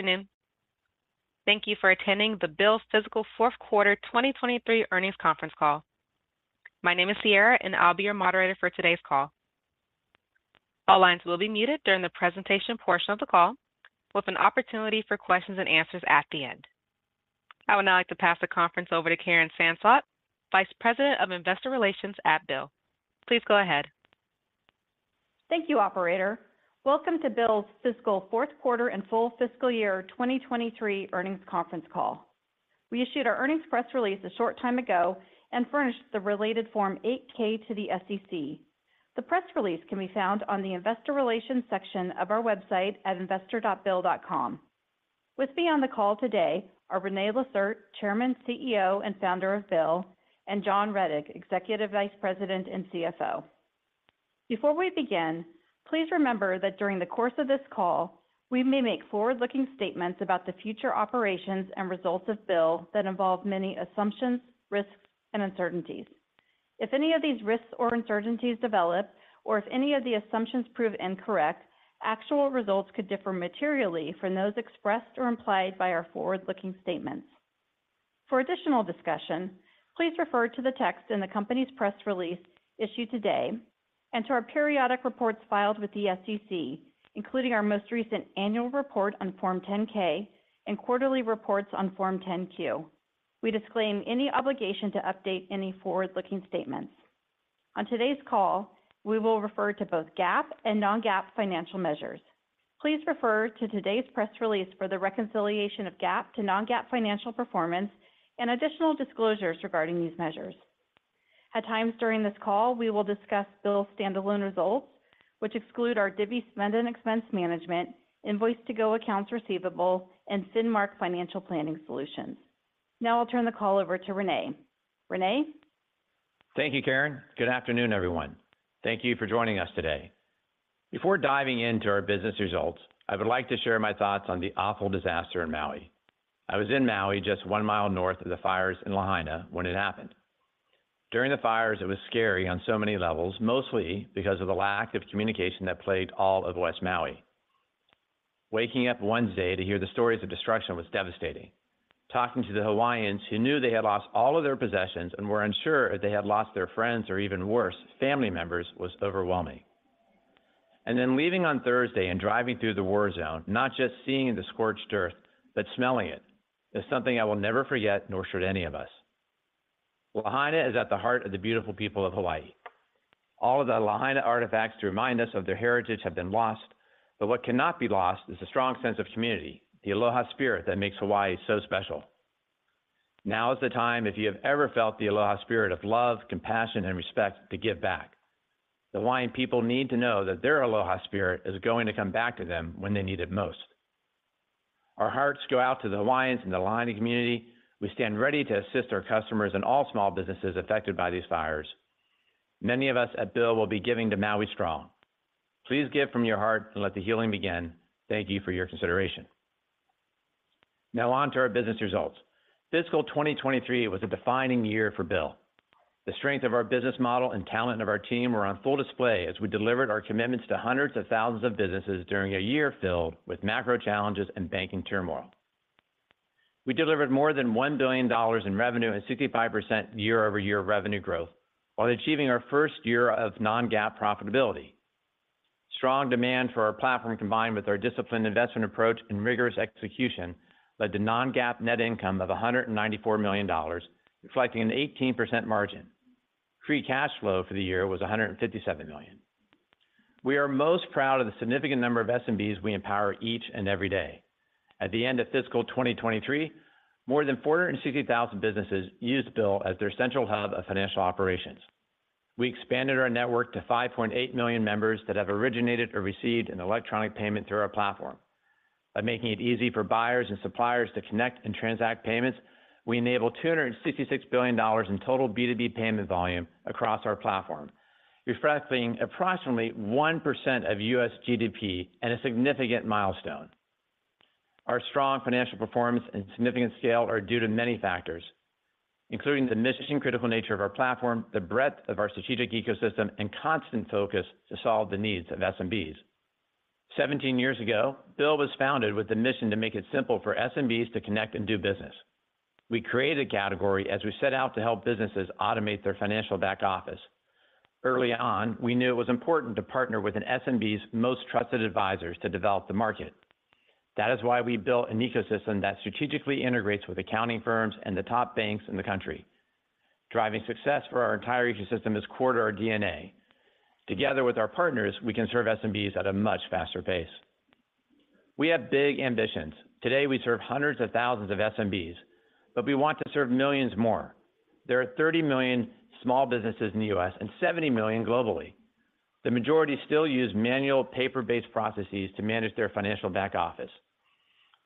Good afternoon. Thank you for attending the BILL's Fiscal Fourth Quarter 2023 Earnings Conference Call. My name is Sierra, and I'll be your moderator for today's call. All lines will be muted during the presentation portion of the call, with an opportunity for questions and answers at the end. I would now like to pass the conference over to Karen Sansot, Vice President of Investor Relations at BILL. Please go ahead. Thank you, operator. Welcome to BILL's Fiscal Fourth Quarter and full fiscal year 2023 earnings conference call. We issued our earnings press release a short time ago and furnished the related Form 8-K to the SEC. The press release can be found on the Investor Relations section of our website at investor.bill.com. With me on the call today are René Lacerte, Chairman, CEO, and Founder of BILL, and John Rettig, Executive Vice President and CFO. Before we begin, please remember that during the course of this call, we may make forward-looking statements about the future operations and results of BILL that involve many assumptions, risks, and uncertainties. If any of these risks or uncertainties develop, or if any of the assumptions prove incorrect, actual results could differ materially from those expressed or implied by our forward-looking statements. For additional discussion, please refer to the text in the company's press release issued today and to our periodic reports filed with the SEC, including our most recent annual report on Form 10-K and quarterly reports on Form 10-Q. We disclaim any obligation to update any forward-looking statements. On today's call, we will refer to both GAAP and non-GAAP financial measures. Please refer to today's press release for the reconciliation of GAAP to non-GAAP financial performance and additional disclosures regarding these measures. At times during this call, we will discuss BILL's standalone results, which exclude our Divvy Spend and Expense Management, Invoice2go accounts receivable, and Finmark Financial Planning Solutions. I'll turn the call over to René. René? Thank you, Karen. Good afternoon, everyone. Thank you for joining us today. Before diving into our business results, I would like to share my thoughts on the awful disaster in Maui. I was in Maui, just one mile north of the fires in Lahaina when it happened. During the fires, it was scary on so many levels, mostly because of the lack of communication that plagued all of West Maui. Waking up one day to hear the stories of destruction was devastating. Talking to the Hawaiians who knew they had lost all of their possessions and were unsure if they had lost their friends or even worse, family members, was overwhelming. Then leaving on Thursday and driving through the war zone, not just seeing the scorched earth, but smelling it, is something I will never forget, nor should any of us. Lahaina is at the heart of the beautiful people of Hawaii. All of the Lahaina artifacts to remind us of their heritage have been lost. What cannot be lost is a strong sense of community, the aloha spirit that makes Hawaii so special. Now is the time, if you have ever felt the aloha spirit of love, compassion, and respect, to give back. The Hawaiian people need to know that their aloha spirit is going to come back to them when they need it most. Our hearts go out to the Hawaiians and the Lahaina community. We stand ready to assist our customers and all small businesses affected by these fires. Many of us at BILL will be giving to Maui Strong. Please give from your heart and let the healing begin. Thank you for your consideration. On to our business results. Fiscal 2023 was a defining year for BILL. The strength of our business model and talent of our team were on full display as we delivered our commitments to hundreds of thousands of businesses during a year filled with macro challenges and banking turmoil. We delivered more than $1 billion in revenue and 65% year-over-year revenue growth, while achieving our first year of non-GAAP profitability. Strong demand for our platform, combined with our disciplined investment approach and rigorous execution, led to non-GAAP net income of $194 million, reflecting an 18% margin. Free cash flow for the year was $157 million. We are most proud of the significant number of SMBs we empower each and every day. At the end of fiscal 2023, more than 460,000 businesses used BILL as their central hub of financial operations. We expanded our network to 5.8 million members that have originated or received an electronic payment through our platform. By making it easy for buyers and suppliers to connect and transact payments, we enabled $266 billion in total B2B payment volume across our platform, reflecting approximately 1% of U.S. GDP and a significant milestone. Our strong financial performance and significant scale are due to many factors, including the mission-critical nature of our platform, the breadth of our strategic ecosystem, and constant focus to solve the needs of SMBs. 17 years ago, BILL was founded with the mission to make it simple for SMBs to connect and do business. We created a category as we set out to help businesses automate their financial back office. Early on, we knew it was important to partner with an SMBs most trusted advisors to develop the market. That is why we built an ecosystem that strategically integrates with accounting firms and the top banks in the country. Driving success for our entire ecosystem is core to our DNA. Together with our partners, we can serve SMBs at a much faster pace. We have big ambitions. Today, we serve hundreds of thousands of SMBs, but we want to serve millions more. There are 30 million small businesses in the US and 70 million globally. The majority still use manual, paper-based processes to manage their financial back office.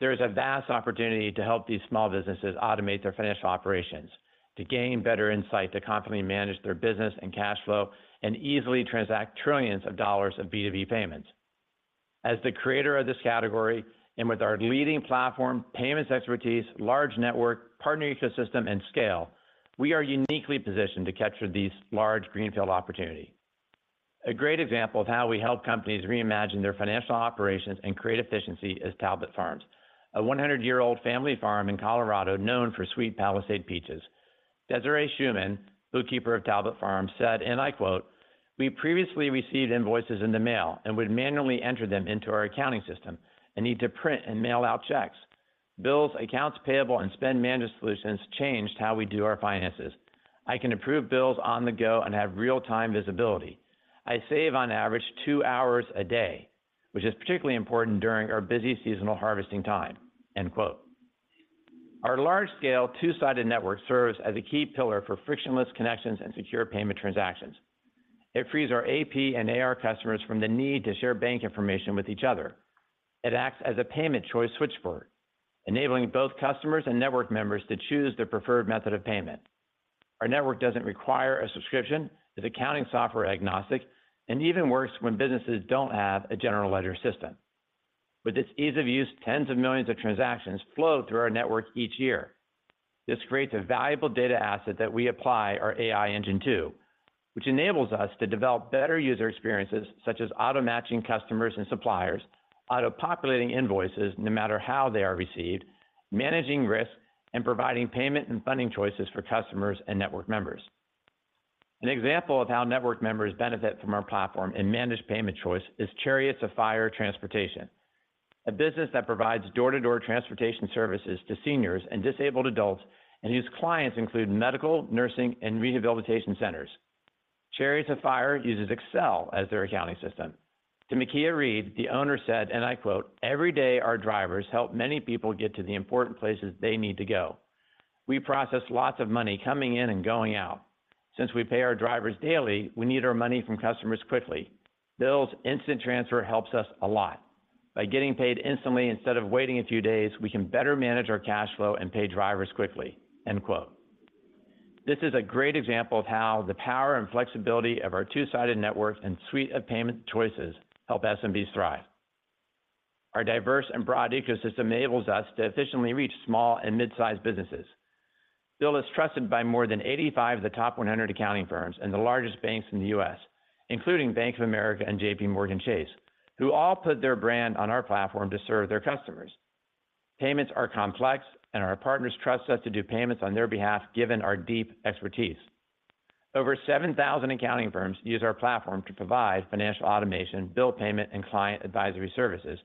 There is a vast opportunity to help these small businesses automate their financial operations, to gain better insight, to confidently manage their business and cash flow, and easily transact trillions of dollars of B2B payments. As the creator of this category, and with our leading platform, payments expertise, large network, partner ecosystem, and scale, we are uniquely positioned to capture this large greenfield opportunity. A great example of how we help companies reimagine their financial operations and create efficiency is Talbott Farms, a 100-year-old family farm in Colorado known for sweet Palisade peaches. Desiree Schumann, bookkeeper of Talbott Farms, said, and I quote, "We previously received invoices in the mail and would manually enter them into our accounting system and need to print and mail out checks. BILL's accounts payable and spend management solutions changed how we do our finances. I can approve bills on the go and have real-time visibility. I save, on average, two hours a day, which is particularly important during our busy seasonal harvesting time," end quote. Our large-scale, two-sided network serves as a key pillar for frictionless connections and secure payment transactions. It frees our AP and AR customers from the need to share bank information with each other. It acts as a payment choice switchboard, enabling both customers and network members to choose their preferred method of payment. Our network doesn't require a subscription, is accounting software agnostic, and even works when businesses don't have a general ledger system. With its ease of use, tens of millions of transactions flow through our network each year. This creates a valuable data asset that we apply our AI engine to, which enables us to develop better user experiences, such as auto-matching customers and suppliers, auto-populating invoices no matter how they are received, managing risk, and providing payment and funding choices for customers and network members. An example of how network members benefit from our platform and managed payment choice is Chariots of Fire Transportation, a business that provides door-to-door transportation services to seniors and disabled adults, and whose clients include medical, nursing, and rehabilitation centers. Chariots of Fire uses Excel as their accounting system. Tamika Reed, the owner said, and I quote, "Every day, our drivers help many people get to the important places they need to go. We process lots of money coming in and going out. Since we pay our drivers daily, we need our money from customers quickly. BILL's Instant Transfer helps us a lot. By getting paid instantly instead of waiting a few days, we can better manage our cash flow and pay drivers quickly," end quote. This is a great example of how the power and flexibility of our two-sided network and suite of payment choices help SMBs thrive. Our diverse and broad ecosystem enables us to efficiently reach small and mid-sized businesses. BILL is trusted by more than 85 of the top 100 accounting firms and the largest banks in the U.S., including Bank of America and JPMorgan Chase, who all put their brand on our platform to serve their customers. Payments are complex, and our partners trust us to do payments on their behalf, given our deep expertise. Over 7,000 accounting firms use our platform to provide financial automation, bill payment, and client advisory services,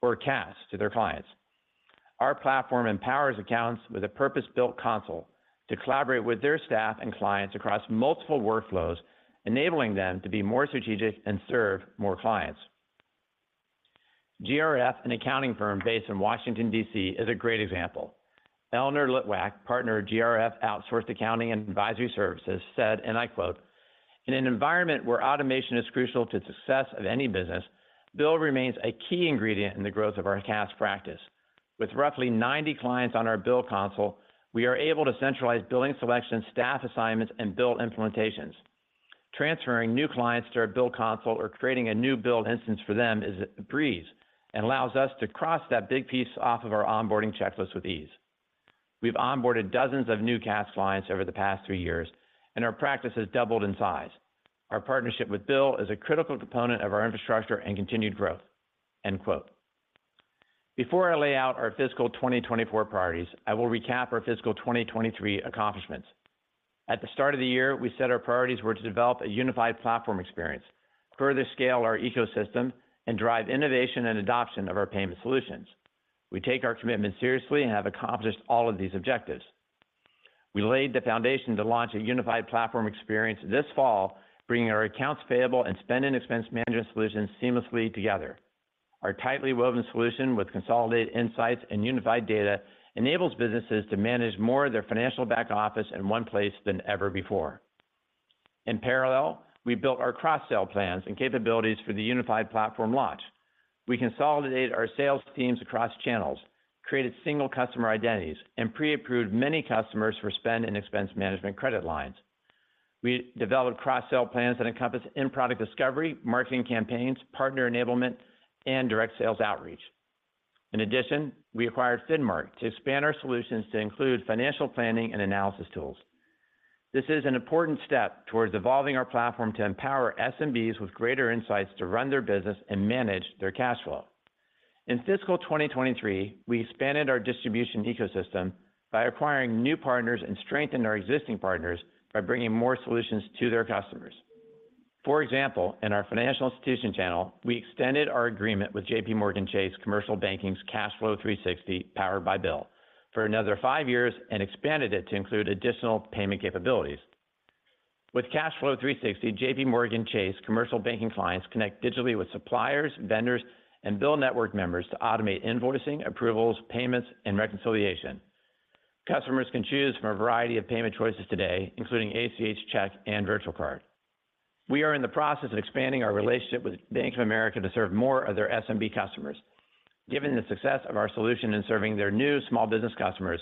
or CAS, to their clients. Our platform empowers accounts with a purpose-built console to collaborate with their staff and clients across multiple workflows, enabling them to be more strategic and serve more clients. GRF, an accounting firm based in Washington, D.C., is a great example. Elinor Litwack, partner at GRF Outsourced Accounting and Advisory Services, said, and I quote, "In an environment where automation is crucial to the success of any business, BILL remains a key ingredient in the growth of our CAS practice. With roughly 90 clients on our BILL console, we are able to centralize billing selection, staff assignments, and bill implementations. Transferring new clients to our BILL console or creating a new BILL instance for them is a breeze and allows us to cross that big piece off of our onboarding checklist with ease. We've onboarded dozens of new CAS clients over the past three years, and our practice has doubled in size. Our partnership with BILL is a critical component of our infrastructure and continued growth," end quote. Before I lay out our fiscal 2024 priorities, I will recap our fiscal 2023 accomplishments. At the start of the year, we set our priorities were to develop a unified platform experience, further scale our ecosystem, and drive innovation and adoption of our payment solutions. We take our commitment seriously and have accomplished all of these objectives. We laid the foundation to launch a unified platform experience this fall, bringing our accounts payable and Spend and Expense Management solutions seamlessly together. Our tightly woven solution with consolidated insights and unified data enables businesses to manage more of their financial back office in one place than ever before. In parallel, we built our cross-sell plans and capabilities for the unified platform launch. We consolidated our sales teams across channels, created single customer identities, and pre-approved many customers for Spend and Expense Management credit lines. We developed cross-sell plans that encompass in-product discovery, marketing campaigns, partner enablement, and direct sales outreach. In addition, we acquired Finmark to expand our solutions to include financial planning and analysis tools. This is an important step towards evolving our platform to empower SMBs with greater insights to run their business and manage their cash flow. In fiscal 2023, we expanded our distribution ecosystem by acquiring new partners and strengthened our existing partners by bringing more solutions to their customers. For example, in our financial institution channel, we extended our agreement with JPMorgan Chase Commercial Banking's Cashflow360, powered by BILL, for another five years and expanded it to include additional payment capabilities. With Cashflow360, JPMorgan Chase Commercial Banking clients connect digitally with suppliers, vendors, and BILL network members to automate invoicing, approvals, payments, and reconciliation. Customers can choose from a variety of payment choices today, including ACH, check, and virtual card. We are in the process of expanding our relationship with Bank of America to serve more of their SMB customers. Given the success of our solution in serving their new small business customers,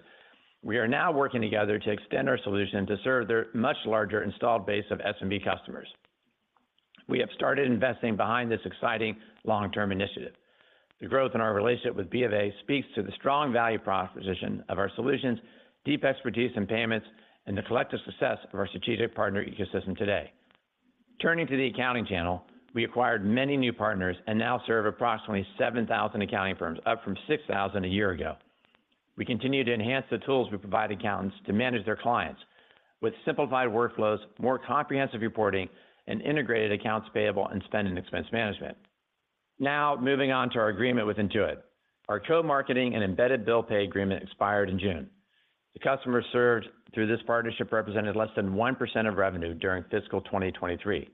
we are now working together to extend our solution to serve their much larger installed base of SMB customers. We have started investing behind this exciting long-term initiative. The growth in our relationship with Bank of America speaks to the strong value proposition of our solutions, deep expertise in payments, and the collective success of our strategic partner ecosystem today. Turning to the accounting channel, we acquired many new partners and now serve approximately 7,000 accounting firms, up from 6,000 a year ago. We continue to enhance the tools we provide accountants to manage their clients, with simplified workflows, more comprehensive reporting, and integrated accounts payable and Spend and Expense Management. Now, moving on to our agreement with Intuit. Our co-marketing and embedded bill pay agreement expired in June. The customers served through this partnership represented less than 1% of revenue during fiscal 2023.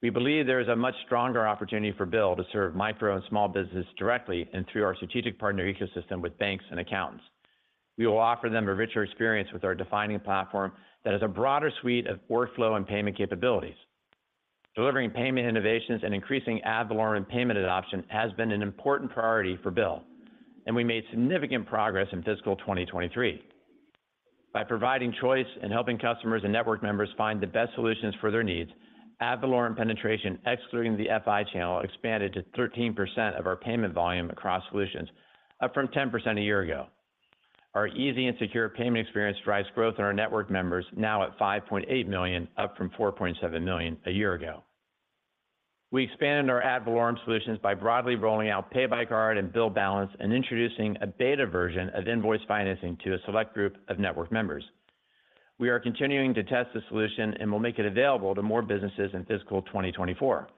We believe there is a much stronger opportunity for BILL to serve micro and small business directly and through our strategic partner ecosystem with banks and accountants. We will offer them a richer experience with our defining platform that has a broader suite of workflow and payment capabilities. Delivering payment innovations and increasing ad valorem payment adoption has been an important priority for BILL, and we made significant progress in fiscal 2023. By providing choice and helping customers and network members find the best solutions for their needs, ad valorem penetration, excluding the FI channel, expanded to 13% of our payment volume across solutions, up from 10% a year ago. Our easy and secure payment experience drives growth in our network members, now at 5.8 million, up from 4.7 million a year ago. We expanded our ad valorem solutions by broadly rolling out Pay by Card and Bill Balance and introducing a beta version of Invoice Financing to a select group of network members. We are continuing to test the solution and will make it available to more businesses in fiscal 2024.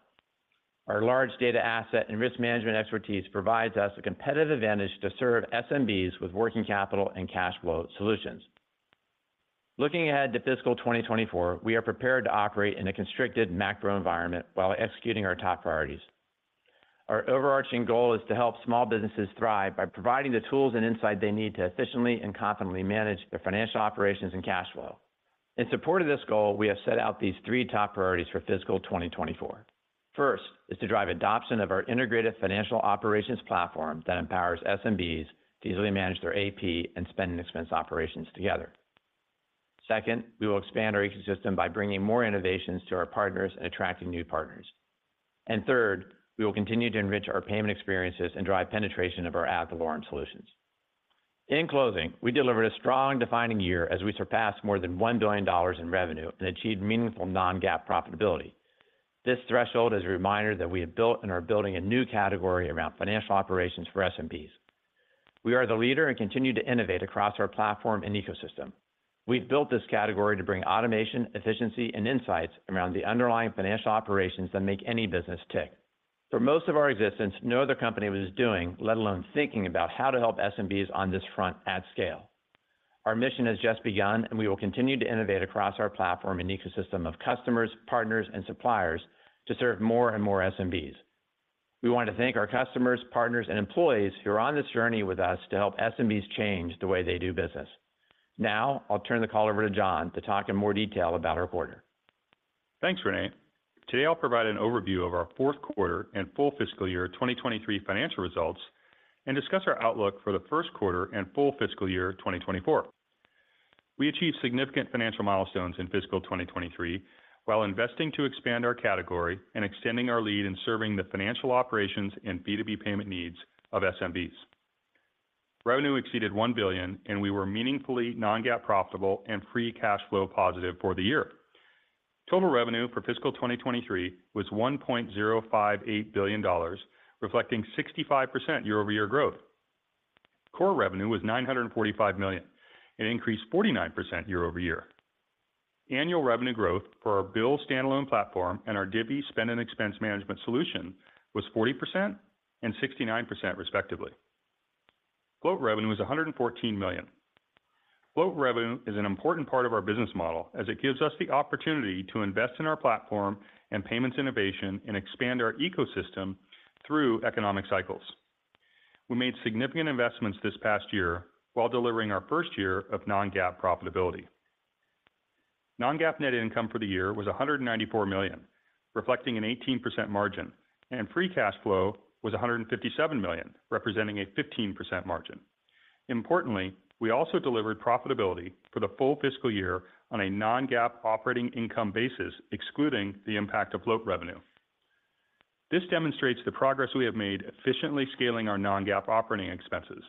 Our large data asset and risk management expertise provides us a competitive advantage to serve SMBs with working capital and cash flow solutions. Looking ahead to fiscal 2024, we are prepared to operate in a constricted macro environment while executing our top priorities. Our overarching goal is to help small businesses thrive by providing the tools and insight they need to efficiently and confidently manage their financial operations and cash flow. In support of this goal, we have set out these three top priorities for fiscal 2024. First, is to drive adoption of our integrated financial operations platform that empowers SMBs to easily manage their AP and spend and expense operations together. Second, we will expand our ecosystem by bringing more innovations to our partners and attracting new partners. Third, we will continue to enrich our payment experiences and drive penetration of our ad valorem solutions. In closing, we delivered a strong defining year as we surpassed more than $1 billion in revenue and achieved meaningful non-GAAP profitability. This threshold is a reminder that we have built and are building a new category around financial operations for SMBs. We are the leader and continue to innovate across our platform and ecosystem. We've built this category to bring automation, efficiency, and insights around the underlying financial operations that make any business tick. For most of our existence, no other company was doing, let alone thinking about how to help SMBs on this front at scale. Our mission has just begun, and we will continue to innovate across our platform and ecosystem of customers, partners, and suppliers to serve more and more SMBs. We want to thank our customers, partners, and employees who are on this journey with us to help SMBs change the way they do business. Now, I'll turn the call over to John to talk in more detail about our quarter. Thanks, Rene. Today, I'll provide an overview of our fourth quarter and full fiscal year 2023 financial results and discuss our outlook for the first quarter and full fiscal year 2024. We achieved significant financial milestones in fiscal 2023, while investing to expand our category and extending our lead in serving the financial operations and B2B payment needs of SMBs. Revenue exceeded $1 billion, and we were meaningfully non-GAAP profitable and free cash flow positive for the year. Total revenue for fiscal 2023 was $1.058 billion, reflecting 65% year-over-year growth. Core revenue was $945 million, and increased 49% year-over-year. Annual revenue growth for our BILL standalone platform and our Divvy Spend and Expense Management solution was 40% and 69%, respectively. Float revenue was $114 million. Float revenue is an important part of our business model, as it gives us the opportunity to invest in our platform and payments innovation and expand our ecosystem through economic cycles. We made significant investments this past year while delivering our first year of non-GAAP profitability. Non-GAAP net income for the year was $194 million, reflecting an 18% margin, and free cash flow was $157 million, representing a 15% margin. Importantly, we also delivered profitability for the full fiscal year on a non-GAAP operating income basis, excluding the impact of float revenue. This demonstrates the progress we have made efficiently scaling our non-GAAP operating expenses.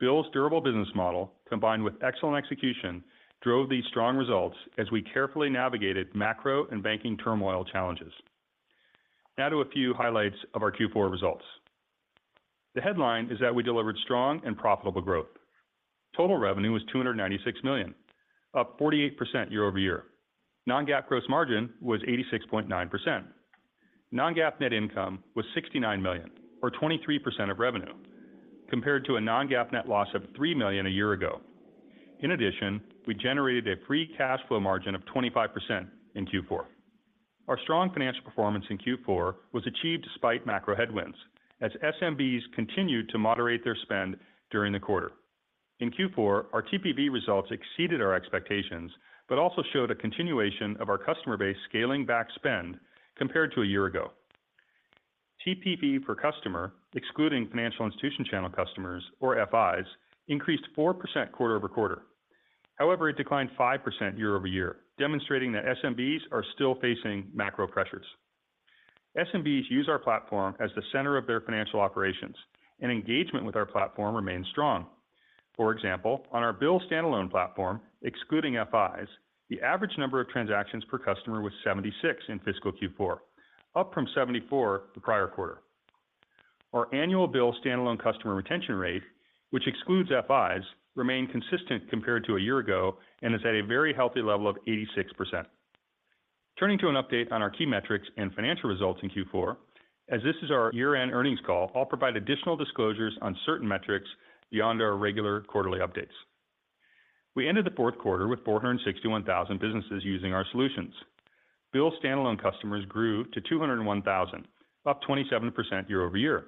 BILL's durable business model, combined with excellent execution, drove these strong results as we carefully navigated macro and banking turmoil challenges. Now to a few highlights of our Q4 results. The headline is that we delivered strong and profitable growth. Total revenue was $296 million, up 48% year-over-year. Non-GAAP gross margin was 86.9%. Non-GAAP net income was $69 million, or 23% of revenue, compared to a non-GAAP net loss of $3 million a year ago. We generated a free cash flow margin of 25% in Q4. Our strong financial performance in Q4 was achieved despite macro headwinds, as SMBs continued to moderate their spend during the quarter. In Q4, our TPV results exceeded our expectations, showed a continuation of our customer base scaling back spend compared to a year ago. TPV per customer, excluding financial institution channel customers, or FIs, increased 4% quarter-over-quarter. It declined 5% year-over-year, demonstrating that SMBs are still facing macro pressures. SMBs use our platform as the center of their financial operations, and engagement with our platform remains strong. For example, on our BILL standalone platform, excluding FIs, the average number of transactions per customer was 76 in fiscal Q4, up from 74 the prior quarter. Our annual BILL standalone customer retention rate, which excludes FIs, remained consistent compared to a year ago and is at a very healthy level of 86%. Turning to an update on our key metrics and financial results in Q4, as this is our year-end earnings call, I'll provide additional disclosures on certain metrics beyond our regular quarterly updates. We ended the fourth quarter with 461,000 businesses using our solutions. BILL standalone customers grew to 201,000, up 27% year-over-year.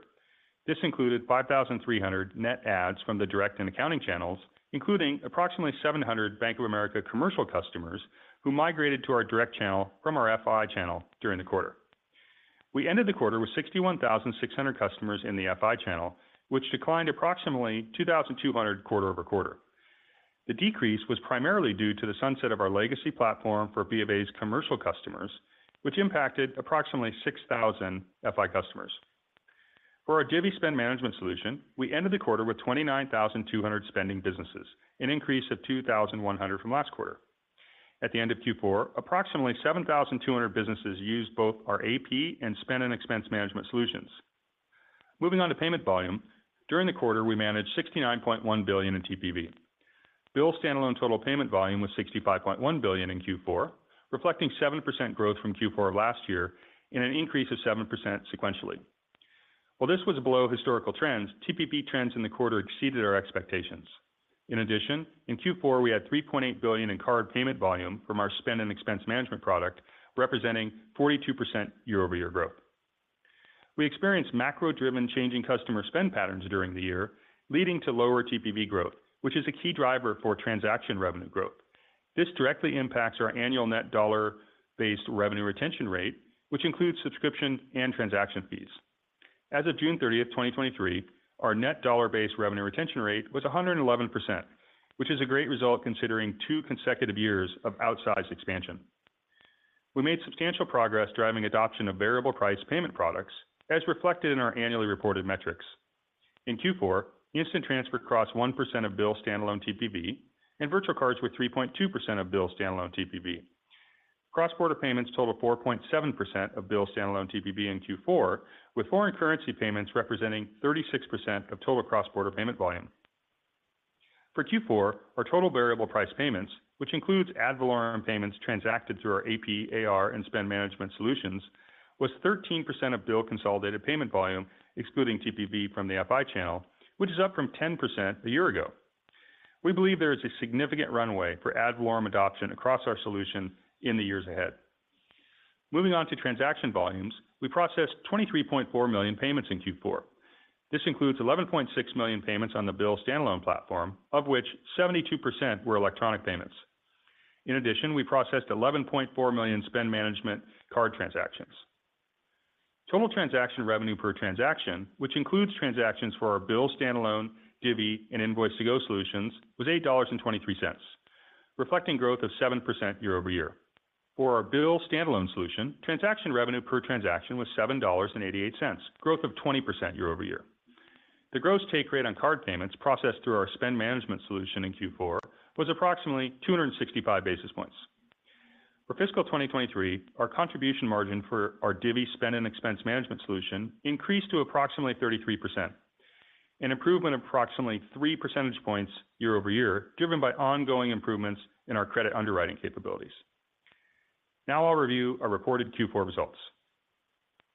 This included 5,300 net adds from the direct and accounting channels, including approximately 700 Bank of America commercial customers who migrated to our direct channel from our FI channel during the quarter. We ended the quarter with 61,600 customers in the FI channel, which declined approximately 2,200 quarter-over-quarter. The decrease was primarily due to the sunset of our legacy platform for Bank of America's commercial customers, which impacted approximately 6,000 FI customers. For our Divvy Spend Management solution, we ended the quarter with 29,200 spending businesses, an increase of 2,100 from last quarter. At the end of Q4, approximately 7,200 businesses used both our AP and spend and expense management solutions. Moving on to payment volume. During the quarter, we managed $69.1 billion in TPV. BILL standalone total payment volume was $65.1 billion in Q4, reflecting 7% growth from Q4 of last year and an increase of 7% sequentially. While this was below historical trends, TPV trends in the quarter exceeded our expectations. In addition, in Q4, we had $3.8 billion in card payment volume from our Spend and Expense Management product, representing 42% year-over-year growth. We experienced macro-driven changing customer spend patterns during the year, leading to lower TPV growth, which is a key driver for transaction revenue growth. This directly impacts our annual Net dollar-based revenue retention rate, which includes subscription and transaction fees. As of June 30, 2023, our Net dollar-based revenue retention rate was 111%, which is a great result considering two consecutive years of outsized expansion. We made substantial progress driving adoption of variable price payment products, as reflected in our annually reported metrics. In Q4, Instant Transfer crossed 1% of BILL standalone TPV, and virtual cards were 3.2% of BILL standalone TPV. cross-border payments totaled 4.7% of BILL standalone TPV in Q4, with foreign currency payments representing 36% of total cross-border payment volume. For Q4, our total variable price payments, which includes ad valorem payments transacted through our AP, AR, and Spend Management solutions, was 13% of BILL consolidated payment volume, excluding TPV from the FI channel, which is up from 10% a year ago. We believe there is a significant runway for ad valorem adoption across our solution in the years ahead. Moving on to transaction volumes. We processed 23.4 million payments in Q4. This includes 11.6 million payments on the BILL standalone platform, of which 72% were electronic payments. In addition, we processed 11.4 million spend management card transactions. Total transaction revenue per transaction, which includes transactions for our BILL standalone, Divvy, and Invoice2go solutions, was $8.23, reflecting growth of 7% year-over-year. For our BILL standalone solution, transaction revenue per transaction was $7.88, growth of 20% year-over-year. The gross take rate on card payments processed through our Spend and Expense Management solution in Q4 was approximately 265 basis points. For fiscal 2023, our contribution margin for our Divvy Spend and Expense Management solution increased to approximately 33%, an improvement of approximately 3 percentage points year-over-year, driven by ongoing improvements in our credit underwriting capabilities. Now I'll review our reported Q4 results.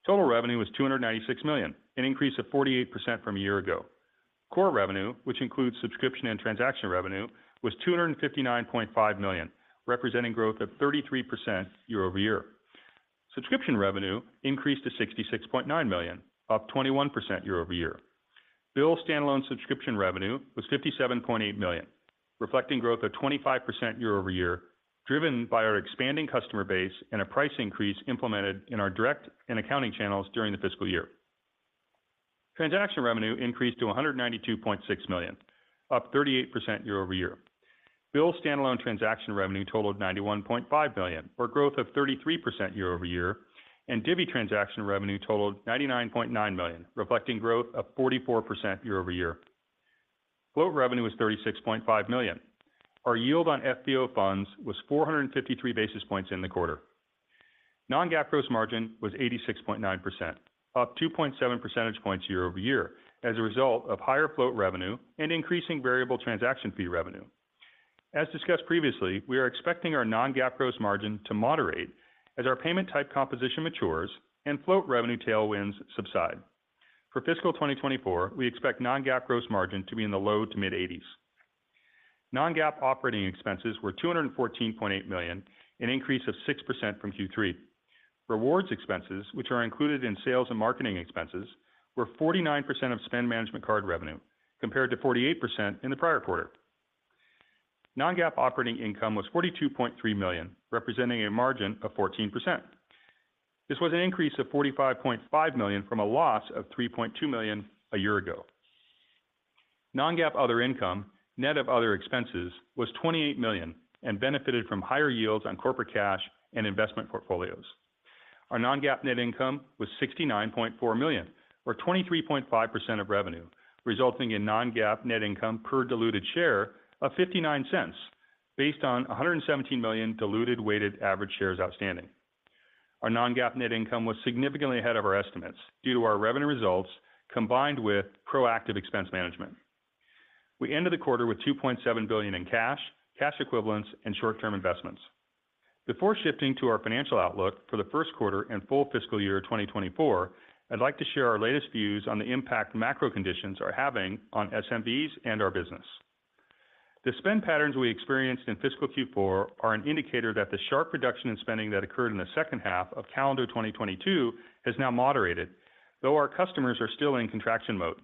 Total revenue was $296 million, an increase of 48% from a year ago. Core revenue, which includes subscription and transaction revenue, was $259.5 million, representing growth of 33% year-over-year. Subscription revenue increased to $66.9 million, up 21% year-over-year. BILL standalone subscription revenue was $57.8 million, reflecting growth of 25% year-over-year, driven by our expanding customer base and a price increase implemented in our direct and accounting channels during the fiscal year. Transaction revenue increased to $192.6 million, up 38% year-over-year. BILL standalone transaction revenue totaled $91.5 billion, for growth of 33% year-over-year. Divvy transaction revenue totaled $99.9 million, reflecting growth of 44% year-over-year. Float revenue was $36.5 million. Our yield on FBO funds was 453 basis points in the quarter. Non-GAAP gross margin was 86.9%, up 2.7 percentage points year-over-year, as a result of higher float revenue and increasing variable transaction fee revenue. As discussed previously, we are expecting our non-GAAP gross margin to moderate as our payment type composition matures and float revenue tailwinds subside. For fiscal 2024, we expect non-GAAP gross margin to be in the low to mid-80s. Non-GAAP operating expenses were $214.8 million, an increase of 6% from Q3. Rewards expenses, which are included in sales and marketing expenses, were 49% of spend management card revenue, compared to 48% in the prior quarter. Non-GAAP operating income was $42.3 million, representing a margin of 14%. This was an increase of $45.5 million from a loss of $3.2 million a year ago. Non-GAAP other income, net of other expenses, was $28 million and benefited from higher yields on corporate cash and investment portfolios. Our Non-GAAP net income was $69.4 million, or 23.5% of revenue, resulting in non-GAAP net income per diluted share of $0.59, based on 117 million diluted weighted average shares outstanding. Our Non-GAAP net income was significantly ahead of our estimates due to our revenue results, combined with proactive expense management. We ended the quarter with $2.7 billion in cash, cash equivalents, and short-term investments. Before shifting to our financial outlook for the first quarter and full fiscal year 2024, I'd like to share our latest views on the impact macro conditions are having on SMBs and our business. The spend patterns we experienced in fiscal Q4 are an indicator that the sharp reduction in spending that occurred in the second half of calendar 2022 has now moderated, though our customers are still in contraction mode.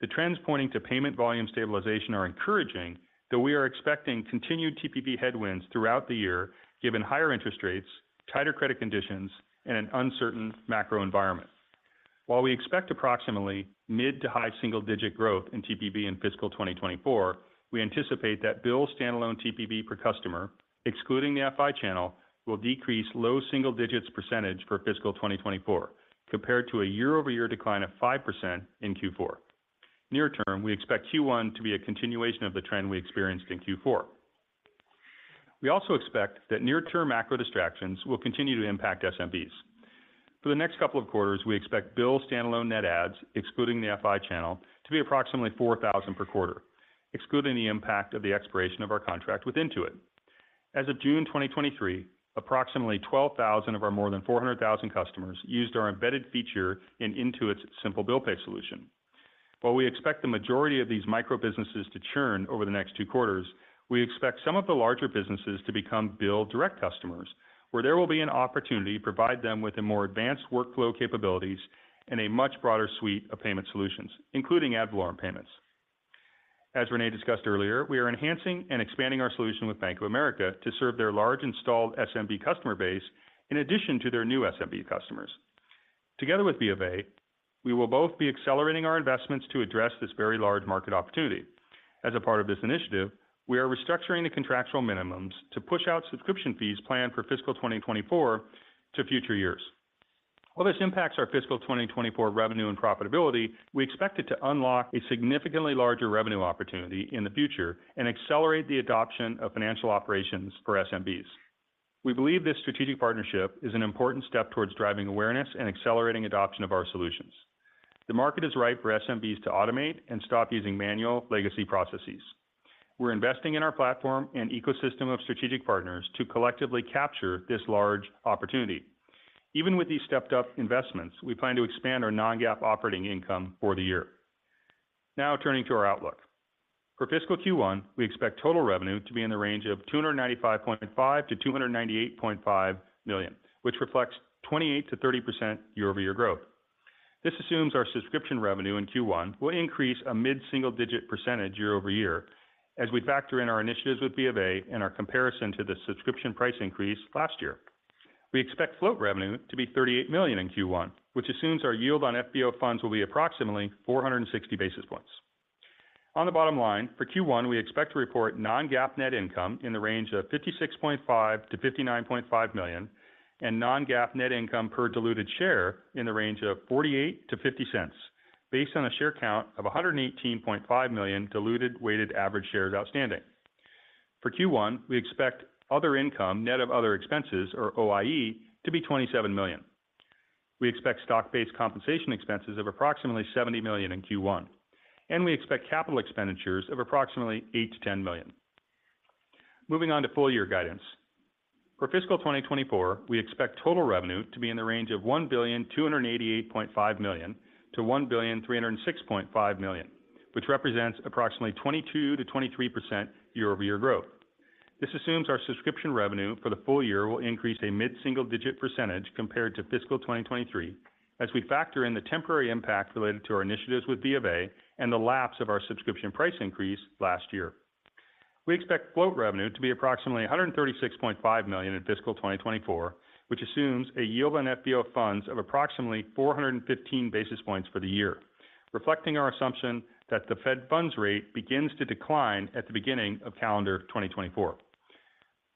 The trends pointing to payment volume stabilization are encouraging, though we are expecting continued TPV headwinds throughout the year, given higher interest rates, tighter credit conditions, and an uncertain macro environment. While we expect approximately mid-to-high single-digit growth in TPV in fiscal 2024, we anticipate that BILL's standalone TPV per customer, excluding the FI channel, will decrease low single-digit percentage for fiscal 2024, compared to a year-over-year decline of 5% in Q4. Near term, we expect Q1 to be a continuation of the trend we experienced in Q4. We also expect that near-term macro distractions will continue to impact SMBs. For the next couple of quarters, we expect BILL standalone net adds, excluding the FI channel, to be approximately 4,000 per quarter, excluding the impact of the expiration of our contract with Intuit. As of June 2023, approximately 12,000 of our more than 400,000 customers used our embedded feature in Intuit's simple bill pay solution. While we expect the majority of these micro-businesses to churn over the next two quarters, we expect some of the larger businesses to become BILL direct customers, where there will be an opportunity to provide them with a more advanced workflow capabilities and a much broader suite of payment solutions, including ad valorem payments. As René discussed earlier, we are enhancing and expanding our solution with Bank of America to serve their large installed SMB customer base, in addition to their new SMB customers. Together with Bank of America, we will both be accelerating our investments to address this very large market opportunity. As a part of this initiative, we are restructuring the contractual minimums to push out subscription fees planned for fiscal 2024 to future years. While this impacts our fiscal 2024 revenue and profitability, we expect it to unlock a significantly larger revenue opportunity in the future and accelerate the adoption of financial operations for SMBs. We believe this strategic partnership is an important step towards driving awareness and accelerating adoption of our solutions. The market is ripe for SMBs to automate and stop using manual legacy processes. We're investing in our platform and ecosystem of strategic partners to collectively capture this large opportunity. Even with these stepped-up investments, we plan to expand our non-GAAP operating income for the year. Now, turning to our outlook. For fiscal Q1, we expect total revenue to be in the range of $295.5 million-$298.5 million, which reflects 28%-30% year-over-year growth. This assumes our subscription revenue in Q1 will increase a mid-single-digit % year-over-year, as we factor in our initiatives with Bank of America and our comparison to the subscription price increase last year. We expect float revenue to be $38 million in Q1, which assumes our yield on FBO funds will be approximately 460 basis points. On the bottom line, for Q1, we expect to report non-GAAP net income in the range of $56.5 million-$59.5 million, and non-GAAP net income per diluted share in the range of $0.48-$0.50, based on a share count of 118.5 million diluted weighted average shares outstanding. For Q1, we expect other income, net of other expenses, or OIE, to be $27 million. We expect stock-based compensation expenses of approximately $70 million in Q1, and we expect capital expenditures of approximately $8 million-$10 million. Moving on to full year guidance. For fiscal 2024, we expect total revenue to be in the range of $1,288.5 million to $1,306.5 million, which represents approximately 22%-23% year-over-year growth. This assumes our subscription revenue for the full year will increase a mid-single-digit % compared to fiscal 2023, as we factor in the temporary impact related to our initiatives with Bank of America and the lapse of our subscription price increase last year. We expect float revenue to be approximately $136.5 million in fiscal 2024, which assumes a yield on FBO funds of approximately 415 basis points for the year, reflecting our assumption that the Federal funds rate begins to decline at the beginning of calendar 2024.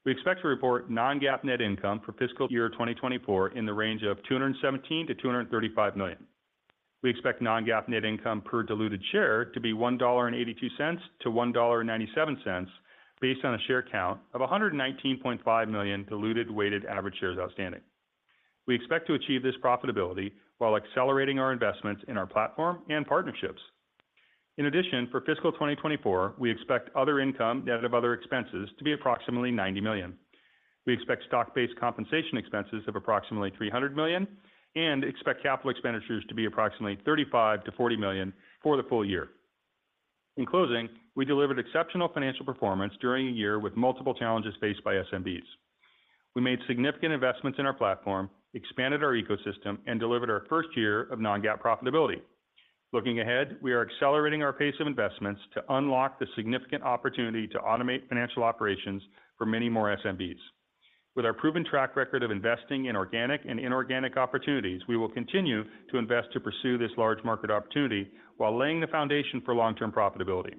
We expect to report non-GAAP net income for fiscal year 2024 in the range of $217 million-$235 million. We expect non-GAAP net income per diluted share to be $1.82-$1.97, based on a share count of 119.5 million diluted weighted average shares outstanding. We expect to achieve this profitability while accelerating our investments in our platform and partnerships. In addition, for fiscal 2024, we expect other income, net of other expenses, to be approximately $90 million. We expect stock-based compensation expenses of approximately $300 million and expect capital expenditures to be approximately $35 million-$40 million for the full year. In closing, we delivered exceptional financial performance during a year with multiple challenges faced by SMBs. We made significant investments in our platform, expanded our ecosystem, and delivered our first year of non-GAAP profitability. Looking ahead, we are accelerating our pace of investments to unlock the significant opportunity to automate financial operations for many more SMBs. With our proven track record of investing in organic and inorganic opportunities, we will continue to invest to pursue this large market opportunity while laying the foundation for long-term profitability.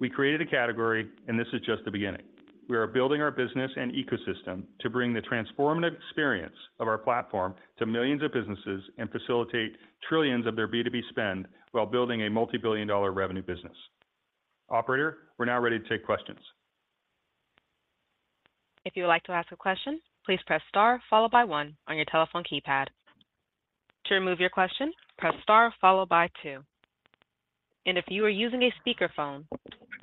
We created a category, and this is just the beginning. We are building our business and ecosystem to bring the transformative experience of our platform to millions of businesses and facilitate trillions of their B2B spend while building a multibillion-dollar revenue business. Operator, we're now ready to take questions. If you would like to ask a question, please press star followed by one on your telephone keypad. To remove your question, press star followed by two. If you are using a speakerphone,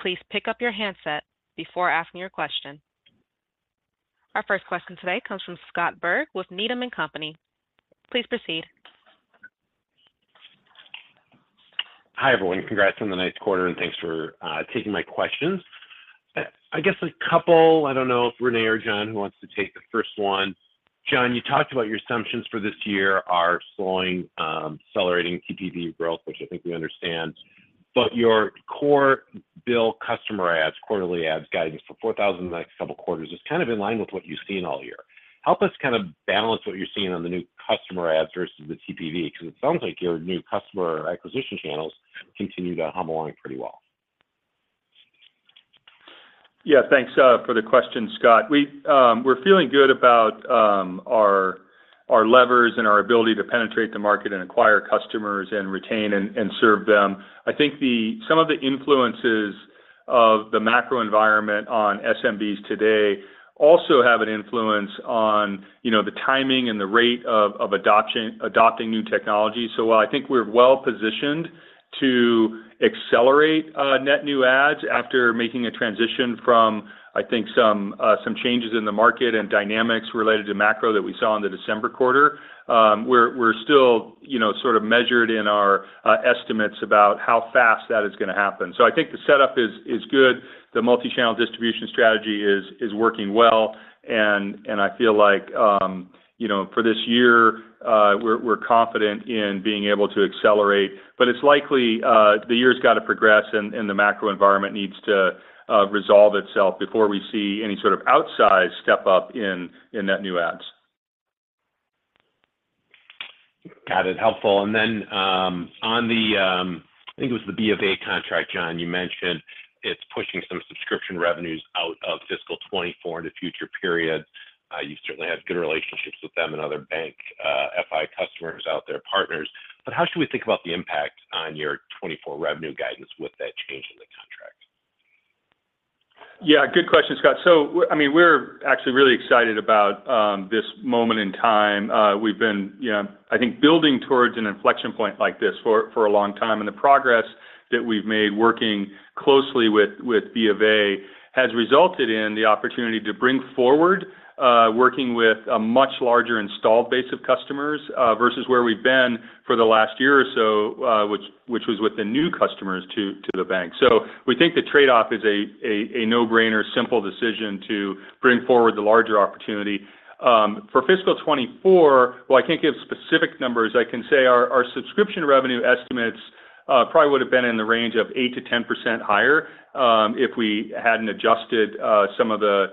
please pick up your handset before asking your question. Our first question today comes from Scott Berg with Needham & Company. Please proceed. Hi, everyone. Congrats on the nice quarter, thanks for taking my questions. I guess a couple, I don't know if René or John, who wants to take the first one? John, you talked about your assumptions for this year are slowing, accelerating TPV growth, which I think we understand, but your core BILL customer adds, quarterly adds guidance for 4,000 the next couple of quarters is kind of in line with what you've seen all year. Help us kind of balance what you're seeing on the new customer adds versus the TPV, 'cause it sounds like your new customer acquisition channels continue to hum along pretty well. Yeah, thanks, for the question, Scott. We, we're feeling good about our levers and our ability to penetrate the market and acquire customers and retain and serve them. I think some of the influences of the macro environment on SMBs today also have an influence on, you know, the timing and the rate of, of adoption, adopting new technology. While I think we're well-positioned to accelerate, net new adds after making a transition from, I think, some changes in the market and dynamics related to macro that we saw in the December quarter, we're still, you know, sort of measured in our estimates about how fast that is going to happen. I think the setup is good. The multi-channel distribution strategy is working well, and I feel like, you know, for this year, we're confident in being able to accelerate, but it's likely the year's got to progress and the macro environment needs to resolve itself before we see any sort of outsized step-up in net new adds. Got it. Helpful. Then, on the, I think it was the Bank of America contract, John, you mentioned it's pushing some subscription revenues out of fiscal 2024 into future periods. You certainly have good relationships with them and other bank, FI customers out there, partners. How should we think about the impact on your 2024 revenue guidance with that change in the contract? Yeah, good question, Scott. I mean, we're actually really excited about this moment in time. We've been, you know, I think, building towards an inflection point like this for a long time, and the progress that we've made working closely with Bank of America has resulted in the opportunity to bring forward working with a much larger installed base of customers versus where we've been for the last year or so, which was with the new customers to the bank. We think the trade-off is a no-brainer, simple decision to bring forward the larger opportunity. For fiscal 2024, while I can't give specific numbers, I can say our, our subscription revenue estimates, probably would have been in the range of 8%-10% higher, if we hadn't adjusted some of the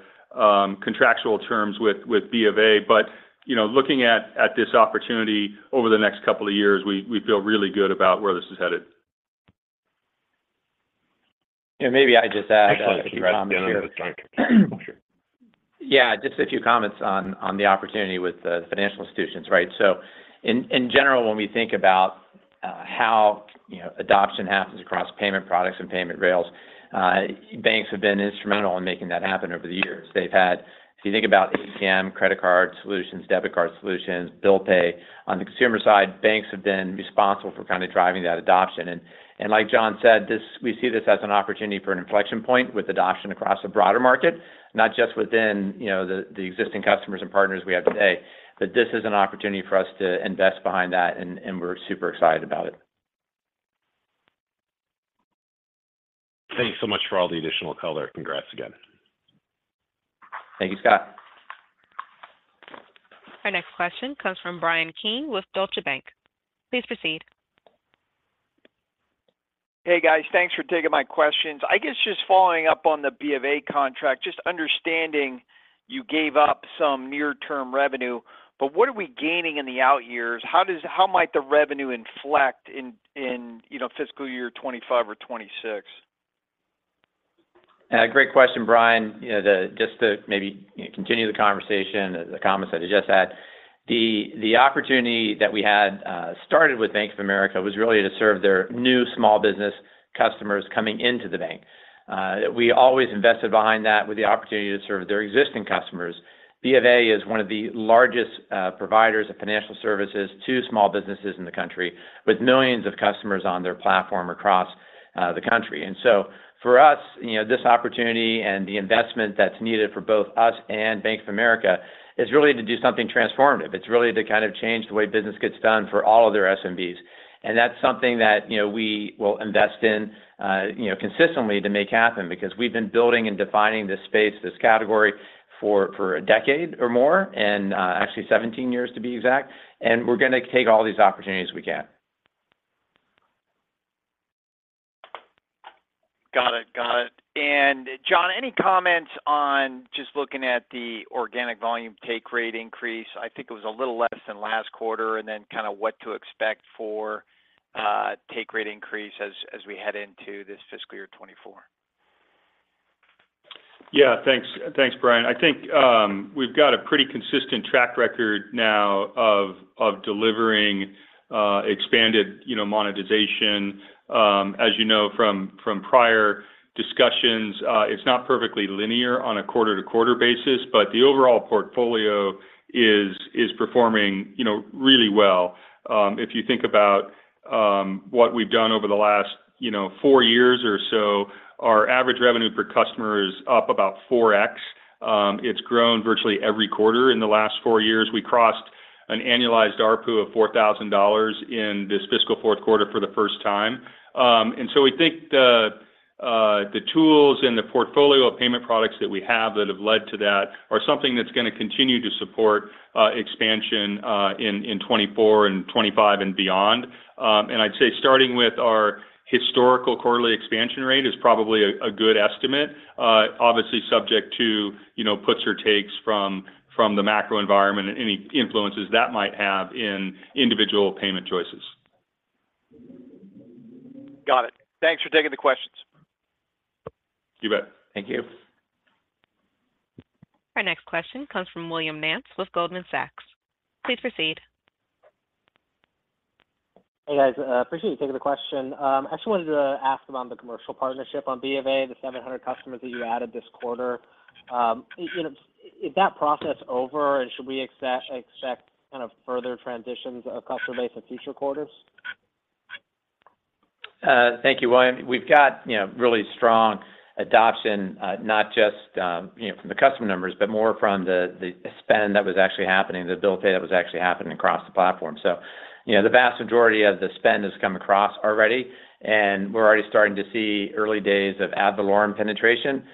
contractual terms with Bank of America. You know, looking at, at this opportunity over the next 2 years, we, we feel really good about where this is headed. Yeah, maybe I just add a few comments here. Sure. Yeah, just a few comments on, on the opportunity with the financial institutions, right? In, in general, when we think about, how, you know, adoption happens across payment products and payment rails, banks have been instrumental in making that happen over the years. If you think about ATM, credit card solutions, debit card solutions, bill pay. On the consumer side, banks have been responsible for kind of driving that adoption. Like John said, we see this as an opportunity for an inflection point with adoption across a broader market, not just within, you know, the, the existing customers and partners we have today. This is an opportunity for us to invest behind that, and, and we're super excited about it. Thanks so much for all the additional color. Congrats again. Thank you, Scott. Our next question comes from Bryan Keane with Deutsche Bank. Please proceed. Hey, guys. Thanks for taking my questions. I guess just following up on the Bank of America contract, just understanding you gave up some near-term revenue. What are we gaining in the out years? How might the revenue inflect in, you know, fiscal year 2025 or 2026? Great question, Bryan. You know, just to maybe continue the conversation, the comments that I just had, the, the opportunity that we had started with Bank of America was really to serve their new small business customers coming into the bank. We always invested behind that with the opportunity to serve their existing customers. Bank of America is one of the largest providers of financial services to small businesses in the country, with millions of customers on their platform across the country. For us, you know, this opportunity and the investment that's needed for both us and Bank of America is really to do something transformative. It's really to kind of change the way business gets done for all of their SMBs. That's something that, you know, we will invest in, you know, consistently to make happen, because we've been building and defining this space, this category, for, for a decade or more, and, actually 17 years, to be exact. We're going to take all these opportunities we can. John, any comments on just looking at the organic volume take rate increase? I think it was a little less than last quarter, and then kind of what to expect for take rate increase as, as we head into this fiscal year 2024. Yeah, thanks. Thanks, Bryan. I think we've got a pretty consistent track record now of, of delivering, expanded, you know, monetization. As you know, from, from prior discussions, it's not perfectly linear on a quarter-to-quarter basis, but the overall portfolio is, is performing, you know, really well. If you think about what we've done over the last, you know, four years or so, our average revenue per customer is up about 4x. It's grown virtually every quarter in the last four years. We crossed an annualized ARPU of $4,000 in this fiscal fourth quarter for the first time. We think the tools and the portfolio of payment products that we have that have led to that are something that's going to continue to support expansion in 2024 and 2025 and beyond. And I'd say starting with our historical quarterly expansion rate is probably a good estimate, obviously subject to, you know, puts or takes from the macro environment and any influences that might have in individual payment choices. Got it. Thanks for taking the questions. You bet. Thank you. Our next question comes from Will Nance with Goldman Sachs. Please proceed. Hey, guys, appreciate you taking the question. I just wanted to ask about the commercial partnership on Bank of America, the 700 customers that you added this quarter. You know, is that process over, and should we expect, expect kind of further transitions of customer base in future quarters? Thank you, William. We've got, you know, really strong adoption, not just, you know, from the customer numbers, but more from the, the spend that was actually happening, the bill pay that was actually happening across the platform. The vast majority of the spend has come across already, and we're already starting to see early days of ad valorem penetration.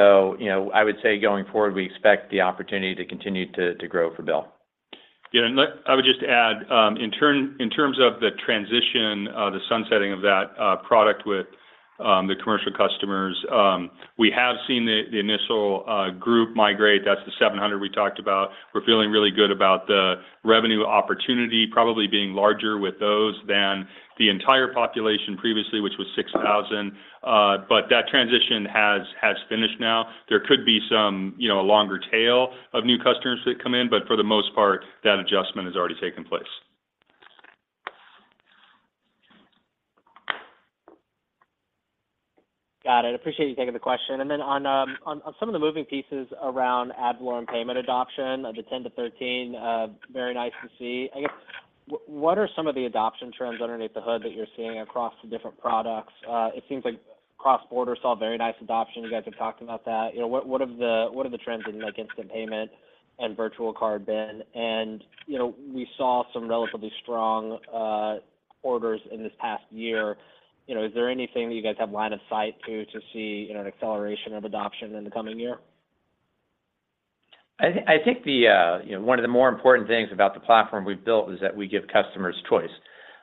I would say going forward, we expect the opportunity to continue to, to grow for BILL. Yeah, and let-- I would just add, in terms of the transition, the sunsetting of that product with the commercial customers, we have seen the initial group migrate. That's the 700 we talked about. We're feeling really good about the revenue opportunity probably being larger with those than the entire population previously, which was 6,000, but that transition has finished now. There could be some, you know, a longer tail of new customers that come in, but for the most part, that adjustment has already taken place. Got it. Appreciate you taking the question. Then on, on, on some of the moving pieces around ad valorem payment adoption, the 10-13, very nice to see. I guess, what are some of the adoption trends underneath the hood that you're seeing across the different products? It seems like cross-border saw very nice adoption. You guys have talked about that. You know, what are the trends in, like, instant payment and virtual card been? And, you know, we saw some relatively strong, orders in this past year. You know, is there anything that you guys have line of sight to, to see, you know, an acceleration of adoption in the coming year? I think the, you know, one of the more important things about the platform we've built is that we give customers choice.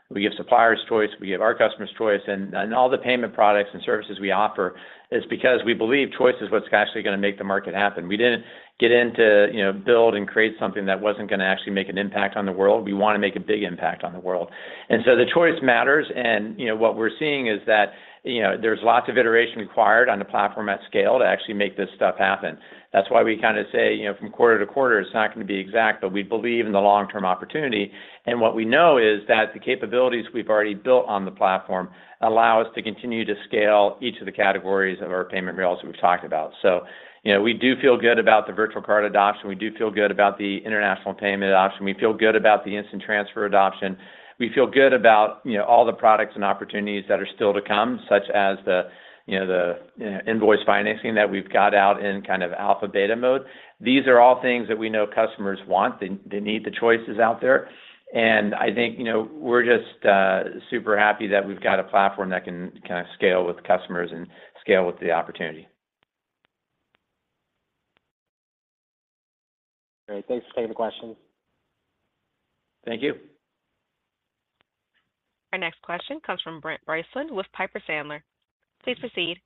We give suppliers choice, we give our customers choice, and, and all the payment products and services we offer is because we believe choice is what's actually going to make the market happen. We didn't get in to, you know, build and create something that wasn't going to actually make an impact on the world. We want to make a big impact on the world. So the choice matters, and, you know, what we're seeing is that, you know, there's lots of iteration required on the platform at scale to actually make this stuff happen. That's why we kind of say, you know, from quarter to quarter, it's not going to be exact, but we believe in the long-term opportunity. What we know is that the capabilities we've already built on the platform allow us to continue to scale each of the categories of our payment rails that we've talked about. You know, we do feel good about the virtual card adoption. We do feel good about the international payment adoption. We feel good about the Instant Transfer adoption. We feel good about, you know, all the products and opportunities that are still to come, such as the, you know, the Invoice Financing that we've got out in kind of alpha beta mode. These are all things that we know customers want. They, they need the choices out there, and I think, you know, we're just super happy that we've got a platform that can kind of scale with customers and scale with the opportunity. Great. Thanks for taking the question. Thank you. Our next question comes from Brent Bracelin with Piper Sandler. Please proceed.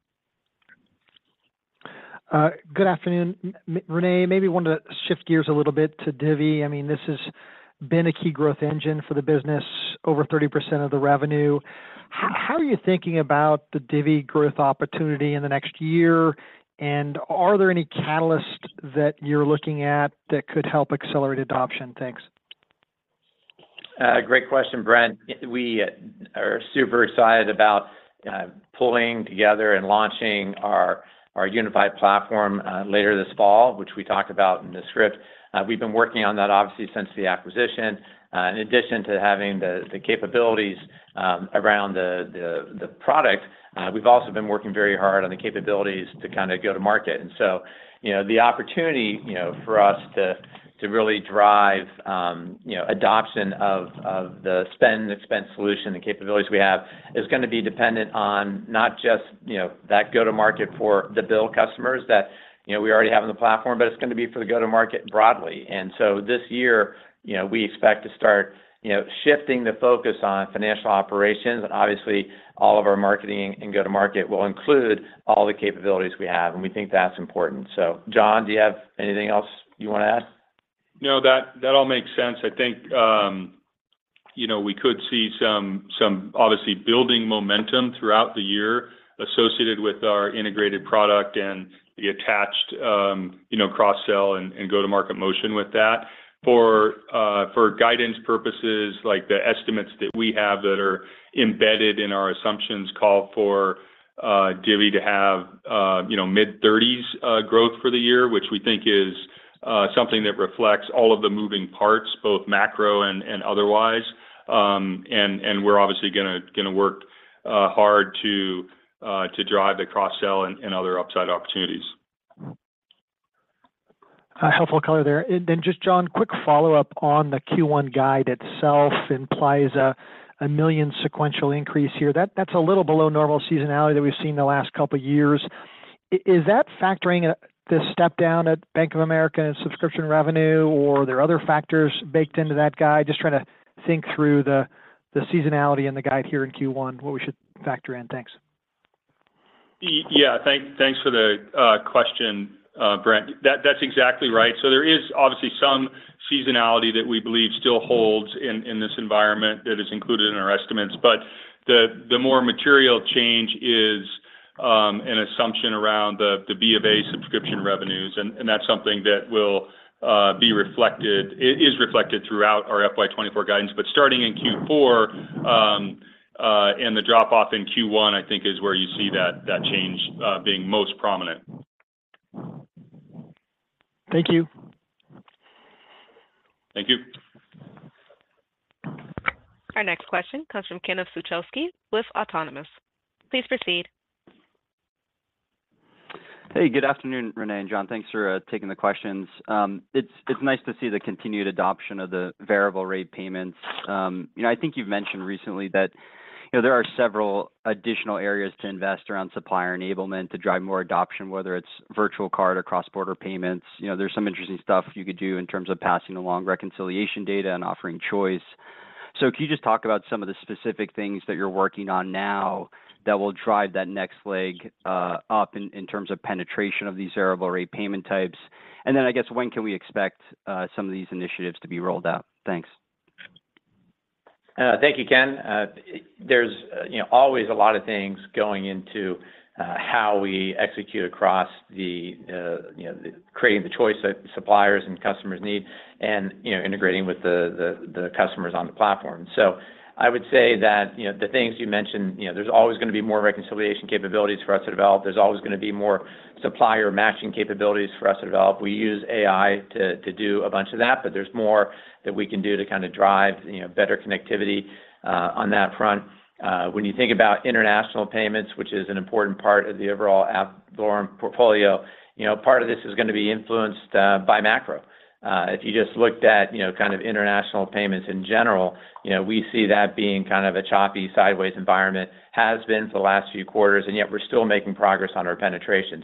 Good afternoon. René, maybe want to shift gears a little bit to Divvy. I mean, this has been a key growth engine for the business, over 30% of the revenue. How are you thinking about the Divvy growth opportunity in the next year, and are there any catalysts that you're looking at that could help accelerate adoption? Thanks. Great question, Brent. We are super excited about pulling together and launching our, our unified platform later this fall, which we talked about in the script. We've been working on that, obviously, since the acquisition. In addition to having the, the capabilities around the, the, the product, we've also been working very hard on the capabilities to kind of go to market. So, you know, the opportunity, you know, for us to, to really drive, you know, adoption of, of the Spend and Expense solution, the capabilities we have, is going to be dependent on not just, you know, that go-to market for the BILL customers that, you know, we already have on the platform, but it's going to be for the go-to market broadly. This year, you know, we expect to start, you know, shifting the focus on financial operations, and obviously, all of our marketing and go-to market will include all the capabilities we have, and we think that's important. John, do you have anything else you want to add? No, that, that all makes sense. I think, you know, we could see some, some obviously building momentum throughout the year associated with our integrated product and the attached, you know, cross-sell and, and go-to-market motion with that. For guidance purposes, like the estimates that we have that are embedded in our assumptions call for Divvy to have, you know, mid-thirties growth for the year, which we think is something that reflects all of the moving parts, both macro and, and otherwise. And, and we're obviously gonna, gonna work hard to drive the cross-sell and, and other upside opportunities. Helpful color there. Just, John, quick follow-up on the Q1 guide itself implies a $1 million sequential increase here. That's a little below normal seasonality that we've seen in the last couple of years. Is that factoring the step down at Bank of America and subscription revenue, or are there other factors baked into that guide? Just trying to think through the seasonality and the guide here in Q1, what we should factor in. Thanks. Yeah, thank, thanks for the question, Brent. That, that's exactly right. There is obviously some seasonality that we believe still holds in, in this environment that is included in our estimates. The more material change is an assumption around the Bank of America subscription revenues, and that's something that will be reflected, it is reflected throughout our FY 2024 guidance. Starting in Q4, and the drop-off in Q1, I think, is where you see that, that change being most prominent. Thank you. Thank you. Our next question comes from Ken Suchoski with Autonomous. Please proceed. Hey, good afternoon, René and John. Thanks for taking the questions. It's, it's nice to see the continued adoption of the variable rate payments. You know, I think you've mentioned recently that, you know, there are several additional areas to invest around supplier enablement to drive more adoption, whether it's virtual card or cross-border payments. You know, there's some interesting stuff you could do in terms of passing along reconciliation data and offering choice. Can you just talk about some of the specific things that you're working on now that will drive that next leg up in, in terms of penetration of these variable rate payment types? I guess, when can we expect some of these initiatives to be rolled out? Thanks. Thank you, Ken. There's, you know, always a lot of things going into, how we execute across the, you know, creating the choice that suppliers and customers need and, you know, integrating with the, the, the customers on the platform. I would say that, you know, the things you mentioned, you know, there's always gonna be more reconciliation capabilities for us to develop. There's always gonna be more supplier matching capabilities for us to develop. We use AI to do a bunch of that, but there's more that we can do to kinda drive, you know, better connectivity on that front. When you think about international payments, which is an important part of the overall App Store portfolio, you know, part of this is gonna be influenced by macro. If you just looked at, you know, kind of international payments in general, you know, we see that being kind of a choppy, sideways environment, has been for the last few quarters, and yet we're still making progress on our penetration.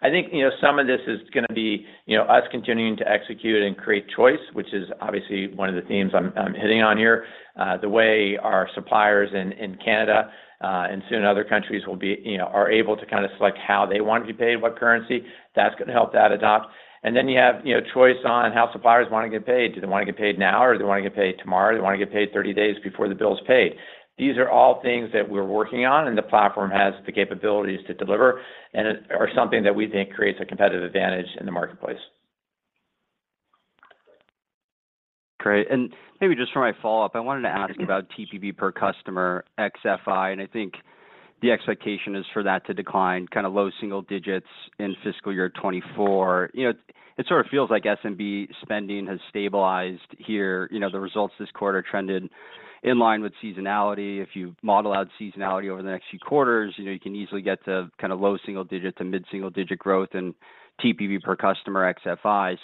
I think, you know, some of this is going to be, you know, us continuing to execute and create choice, which is obviously one of the themes I'm hitting on here. The way our suppliers in Canada, and soon other countries will be, you know, are able to kind of select how they want to be paid, what currency, that's going to help that adopt. You have, you know, choice on how suppliers want to get paid. Do they want to get paid now, or do they want to get paid tomorrow? Do they want to get paid 30 days before the bill is paid? These are all things that we're working on, and the platform has the capabilities to deliver and are something that we think creates a competitive advantage in the marketplace. Great. Maybe just for my follow-up, I wanted to ask about TPV per customer, ex-FI, and I think the expectation is for that to decline kinda low single digits in fiscal year 2024. You know, it sort of feels like SMB spending has stabilized here. You know, the results this quarter trended in line with seasonality. If you model out seasonality over the next few quarters, you know, you can easily get to kind of low single digit to mid single digit growth in TPV per customer, ex-FI.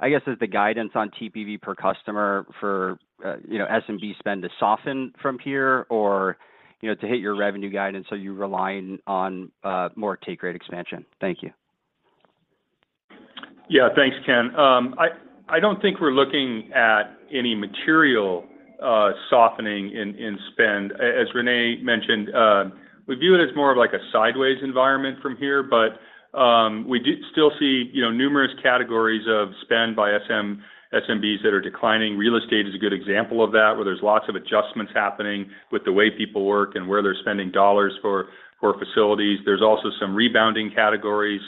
I guess, is the guidance on TPV per customer for, you know, SMB spend to soften from here, or, you know, to hit your revenue guidance, so you're relying on more take rate expansion? Thank you. Yeah, thanks, Ken. I, I don't think we're looking at any material softening in, in spend. As Rene mentioned, we view it as more of like a sideways environment from here, but we do still see, you know, numerous categories of spend by SMBs that are declining. Real estate is a good example of that, where there's lots of adjustments happening with the way people work and where they're spending dollars for, for facilities. There's also some rebounding categories.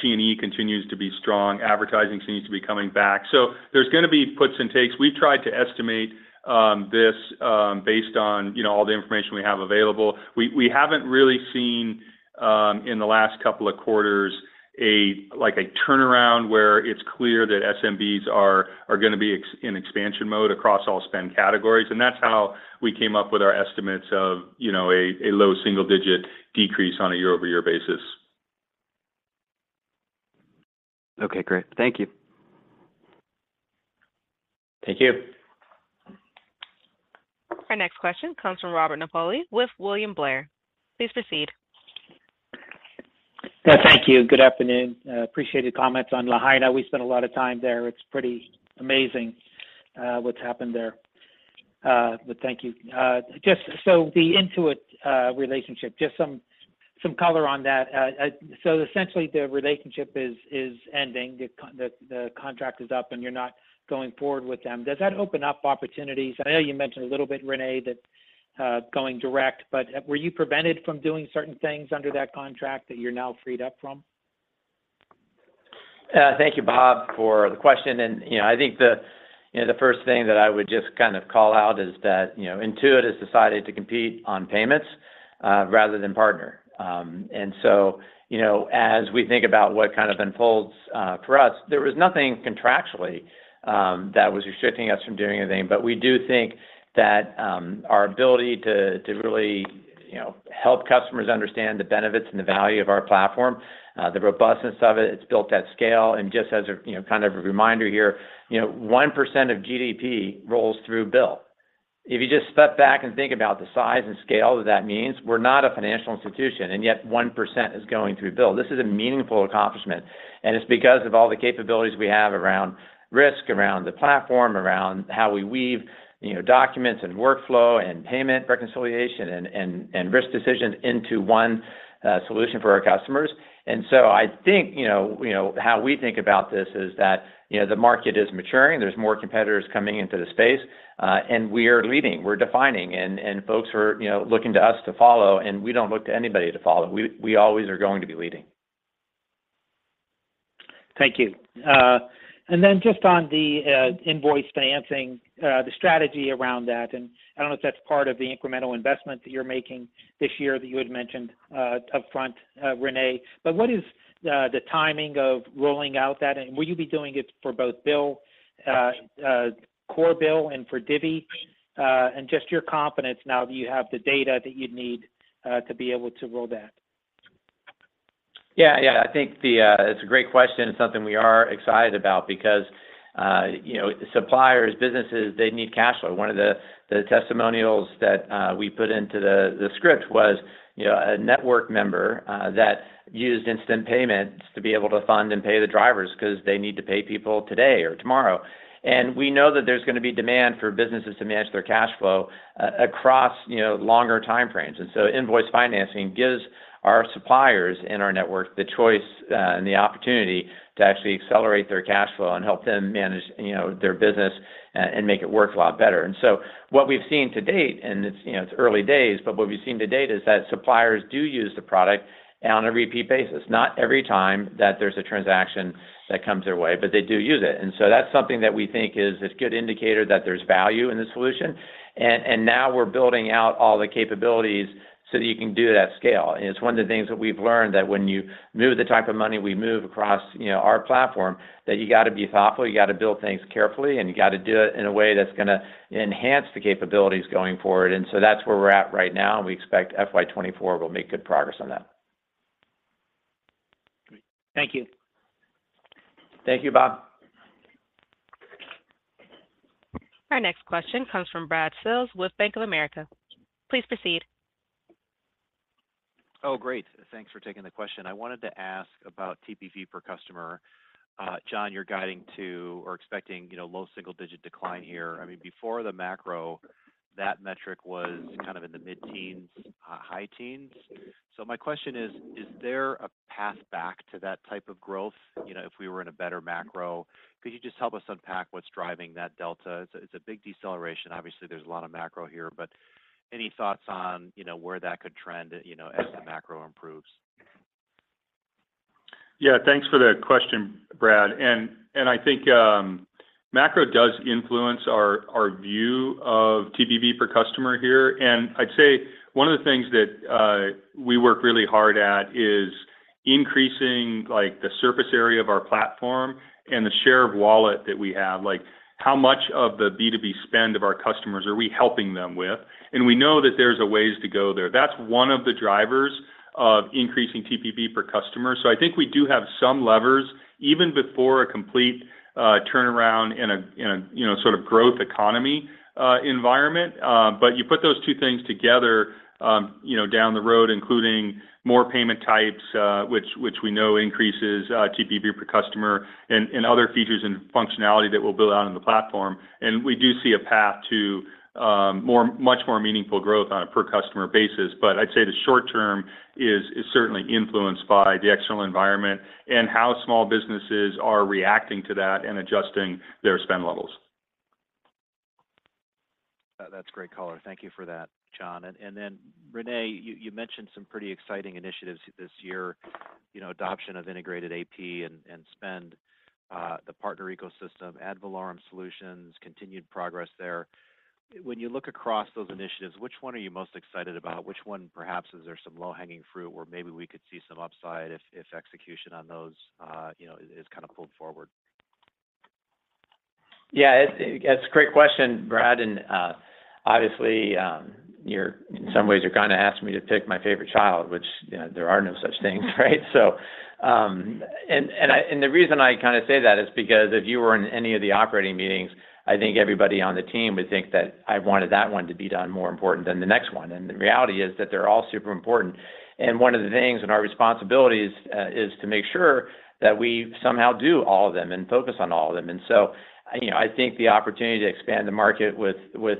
T&E continues to be strong. Advertising seems to be coming back. There's gonna be puts and takes. We've tried to estimate this based on, you know, all the information we have available. We haven't really seen, in the last two quarters, like a turnaround where it's clear that SMBs are gonna be in expansion mode across all spend categories. That's how we came up with our estimates of, you know, a low single-digit decrease on a year-over-year basis. Okay, great. Thank you. Thank you. Our next question comes from Robert Napoli with William Blair. Please proceed. Thank you. Good afternoon. Appreciate your comments on Lahaina. We spent a lot of time there. It's pretty amazing what's happened there. Thank you. Just so the Intuit relationship, some color on that. So essentially, the relationship is ending. The contract is up, and you're not going forward with them. Does that open up opportunities? I know you mentioned a little bit, René, that going direct, but were you prevented from doing certain things under that contract that you're now freed up from? Thank you, Bob, for the question. You know, I think the, you know, the first thing that I would just kind of call out is that, you know, Intuit has decided to compete on payments rather than partner. You know, as we think about what kind of unfolds for us, there was nothing contractually that was restricting us from doing anything. We do think that our ability to, to really, you know, help customers understand the benefits and the value of our platform, the robustness of it, it's built at scale. Just as a, you know, kind of a reminder here, you know, 1% of GDP rolls through BILL. If you just step back and think about the size and scale that that means, we're not a financial institution, and yet 1% is going through BILL. This is a meaningful accomplishment, and it's because of all the capabilities we have around risk, around the platform, around how we weave, you know, documents, and workflow, and payment reconciliation, and, and, and risk decisions into one solution for our customers. I think, you know, you know, how we think about this is that, you know, the market is maturing. There's more competitors coming into the space, and we are leading, we're defining, and, and folks are, you know, looking to us to follow, and we don't look to anybody to follow. We, we always are going to be leading. Thank you. Then just on the Invoice Financing, the strategy around that, and I don't know if that's part of the incremental investment that you're making this year that you had mentioned upfront, René. What is the timing of rolling out that, and will you be doing it for both BILL, core BILL and for Divvy? Just your confidence now that you have the data that you'd need to be able to roll that. Yeah, yeah. I think the... It's a great question. It's something we are excited about because, you know, suppliers, businesses, they need cash flow. One of the, the testimonials that we put into the, the script was, you know, a network member that used instant payments to be able to fund and pay the drivers 'cause they need to pay people today or tomorrow. We know that there's going to be demand for businesses to manage their cash flow across, you know, longer time frames. So Invoice Financing gives our suppliers and our network the choice and the opportunity to actually accelerate their cash flow and help them manage, you know, their business and make it work a lot better. What we've seen to date, and it's, you know, it's early days, but what we've seen to date is that suppliers do use the product, on a repeat basis. Not every time that there's a transaction that comes their way, but they do use it. That's something that we think is a good indicator that there's value in the solution. Now we're building out all the capabilities so that you can do it at scale. It's one of the things that we've learned, that when you move the type of money we move across, you know, our platform, that you got to be thoughtful, you got to build things carefully, and you got to do it in a way that's going to enhance the capabilities going forward. That's where we're at right now, and we expect FY 2024 will make good progress on that. Great. Thank you. Thank you, Bob. Our next question comes from Brad Sills with Bank of America. Please proceed. Oh, great. Thanks for taking the question. I wanted to ask about TPV per customer. John, you're guiding to or expecting, you know, low single-digit decline here. I mean, before the macro, that metric was kind of in the mid-teens, high teens. My question is: Is there a path back to that type of growth, you know, if we were in a better macro? Could you just help us unpack what's driving that delta? It's a, it's a big deceleration. Obviously, there's a lot of macro here, but any thoughts on, you know, where that could trend, you know, as the macro improves? Yeah, thanks for the question, Brad. I think macro does influence our view of TPV per customer here. I'd say one of the things that we work really hard at is increasing, like, the surface area of our platform and the share of wallet that we have. Like, how much of the B2B spend of our customers are we helping them with? We know that there's a ways to go there. That's one of the drivers of increasing TPV per customer. I think we do have some levers, even before a complete turnaround in a, in a, you know, sort of growth economy environment. You put those two things together, you know, down the road, including more payment types, which, which we know increases TPV per customer, and, and other features and functionality that we'll build out on the platform. We do see a path to much more meaningful growth on a per customer basis. I'd say the short term is, is certainly influenced by the external environment and how small businesses are reacting to that and adjusting their spend levels. That's great color. Thank you for that, John. And then, René, you, you mentioned some pretty exciting initiatives this year, you know, adoption of integrated AP and, and Spend, the partner ecosystem, ad valorem solutions, continued progress there. When you look across those initiatives, which one are you most excited about? Which one, perhaps, is there some low-hanging fruit where maybe we could see some upside if, if execution on those, you know, is kind of pulled forward? Yeah, it, it's a great question, Brad, and, obviously, you're, in some ways, you're kind of asking me to pick my favorite child, which, you know, there are no such things, right? I, and the reason I kind of say that is because if you were in any of the operating meetings, I think everybody on the team would think that I wanted that one to be done more important than the next one. The reality is that they're all super important. One of the things in our responsibilities, is to make sure that we somehow do all of them and focus on all of them. You know, I think the opportunity to expand the market with, with,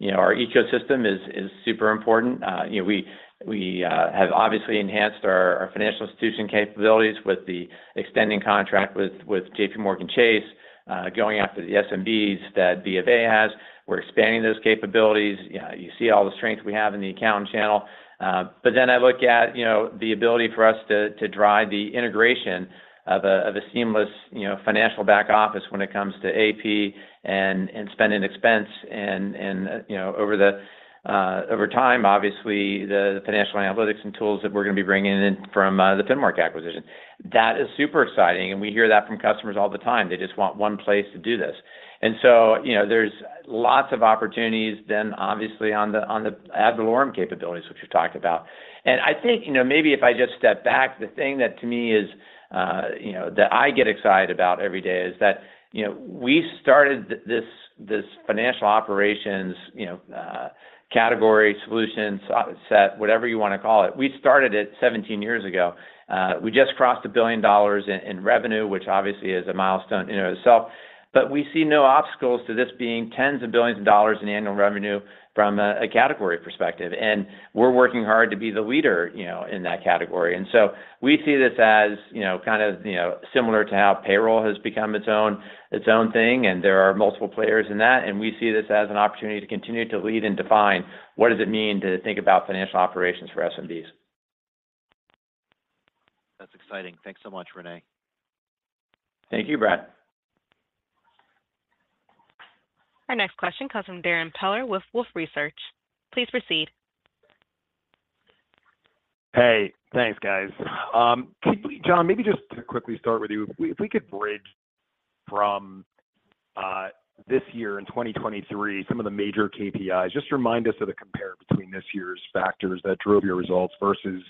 you know, our ecosystem is, is super important. You know, we, we have obviously enhanced our, our financial institution capabilities with the extending contract with, with JPMorgan Chase, going after the SMBs that Bank of America has. We're expanding those capabilities. You see all the strength we have in the account channel. Then I look at, you know, the ability for us to, to drive the integration of a, of a seamless, you know, financial back office when it comes to AP and spend and expense. You know, over the, over time, obviously, the, the financial analytics and tools that we're going to be bringing in from the Finmark acquisition. That is super exciting, and we hear that from customers all the time. They just want one place to do this. You know, there's lots of opportunities then, obviously, on the, on the ad valorem capabilities, which you talked about. I think, you know, maybe if I just step back, the thing that to me is, you know, that I get excited about every day is that, you know, we started this, this financial operations, you know, category, solution, so- set, whatever you want to call it, we started it 17 years ago. We just crossed $1 billion in, in revenue, which obviously is a milestone in itself. We see no obstacles to this being $10s of billions in annual revenue from a, a category perspective, and we're working hard to be the leader, you know, in that category. We see this as, you know, kind of, you know, similar to how payroll has become its own, its own thing, and there are multiple players in that. We see this as an opportunity to continue to lead and define what does it mean to think about financial operations for SMBs. That's exciting. Thanks so much, René. Thank you, Brad. Our next question comes from Darrin Peller with Wolfe Research. Please proceed. Hey, thanks, guys. John, maybe just to quickly start with you, if we, if we could bridge from, this year in 2023, some of the major KPIs, just remind us of the compare between this year's factors that drove your results versus,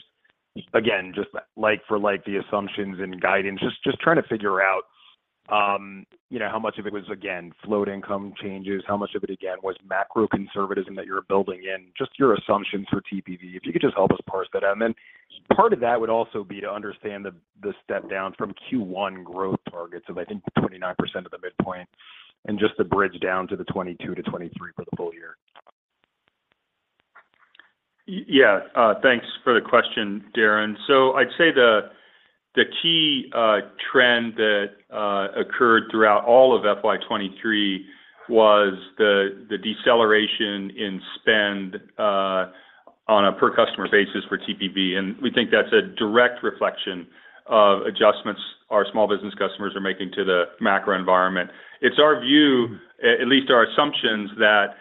again, just like for like, the assumptions and guidance? Just, just trying to figure out, you know, how much of it was, again, float income changes, how much of it, again, was macro conservatism that you're building in, just your assumptions for TPV? If you could just help us parse that out. Part of that would also be to understand the, the step down from Q1 growth targets of, I think, 29% of the midpoint, and just to bridge down to the 22%-23% for the full year. Yeah. Thanks for the question, Darren. I'd say the key trend that occurred throughout all of FY 2023 was the deceleration in spend on a per customer basis for TPV, and we think that's a direct reflection of adjustments our small business customers are making to the macro environment. It's our view, at least our assumptions, that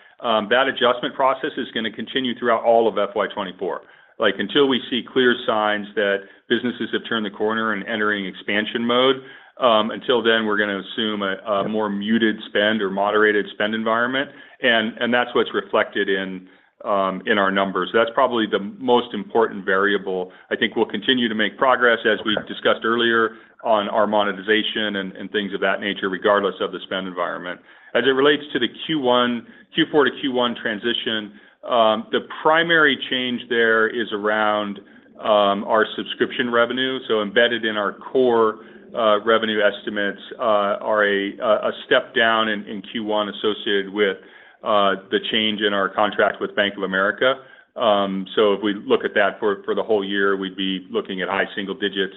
that adjustment process is gonna continue throughout all of FY 2024. Like, until we see clear signs that businesses have turned the corner and entering expansion mode, until then, we're gonna assume a more muted spend or moderated spend environment, and that's what's reflected in our numbers. That's probably the most important variable. I think we'll continue to make progress, as we've discussed earlier, on our monetization and things of that nature, regardless of the spend environment. As it relates to the Q4 to Q1 transition, the primary change there is around our subscription revenue. Embedded in our core revenue estimates are a step down in Q1 associated with the change in our contract with Bank of America. If we look at that for the whole year, we'd be looking at high single digits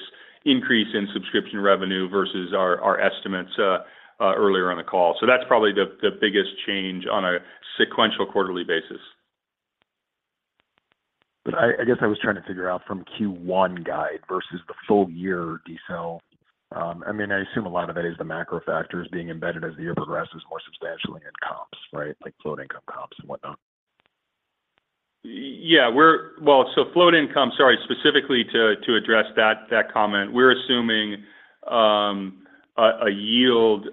increase in subscription revenue versus our estimates earlier on the call. That's probably the biggest change on a sequential quarterly basis. I, I guess I was trying to figure out from Q1 guide versus the full year decel. I mean, I assume a lot of that is the macro factors being embedded as the year progresses more substantially in comps, right? Like float income comps and whatnot. Yeah, we're Well, float income, sorry, specifically to address that, that comment, we're assuming a yield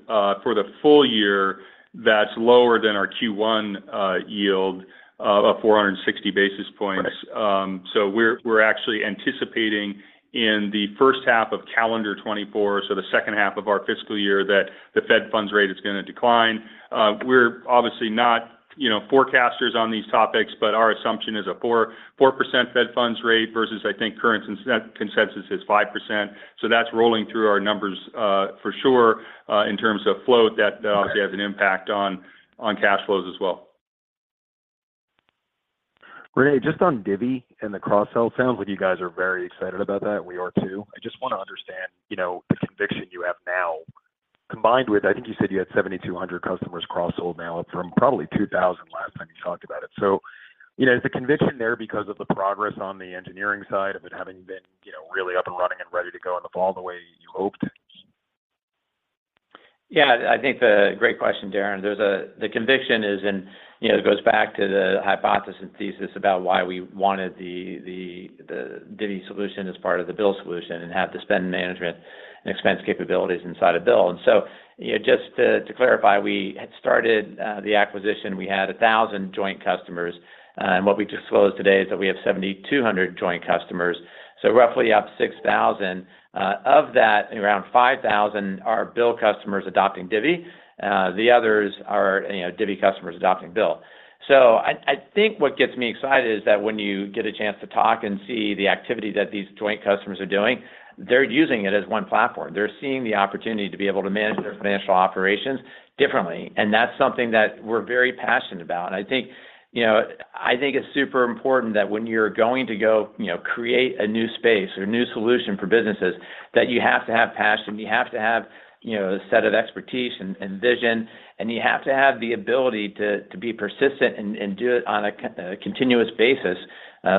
for the full year that's lower than our Q1 yield of 460 basis points. Right. We're actually anticipating in the first half of calendar 2024, so the second half of our fiscal year, that the Federal funds rate is gonna decline. We're obviously not, you know, forecasters on these topics, but our assumption is a 4% Federal funds rate versus, I think, current consensus is 5%. That's rolling through our numbers, for sure, in terms of float, that obviously has an impact on cash flows as well. Rene, just on Divvy and the cross-sell, sounds like you guys are very excited about that. We are too. I just want to understand, you know, the conviction you have now, combined with, I think you said you had 7,200 customers cross-sold now from probably 2,000 last time you talked about it. You know, is the conviction there because of the progress on the engineering side, of it having been, you know, really up and running and ready to go in the fall the way you hoped? Yeah, I think. Great question, Darren. There's the conviction is in, you know, it goes back to the hypothesis thesis about why we wanted the Divvy solution as part of the BILL solution and have the spend management and expense capabilities inside of BILL. You know, just to, to clarify, we had started the acquisition, we had 1,000 joint customers, and what we disclosed today is that we have 7,200 joint customers, so roughly up 6,000. Of that, around 5,000 are BILL customers adopting Divvy. The others are, you know, Divvy customers adopting BILL. I, I think what gets me excited is that when you get a chance to talk and see the activity that these joint customers are doing, they're using it as one platform. They're seeing the opportunity to be able to manage their financial operations differently, and that's something that we're very passionate about. I think, you know, I think it's super important that when you're going to go, you know, create a new space or new solution for businesses, that you have to have passion, you have to have, you know, a set of expertise and, and vision, and you have to have the ability to, to be persistent and, and do it on a continuous basis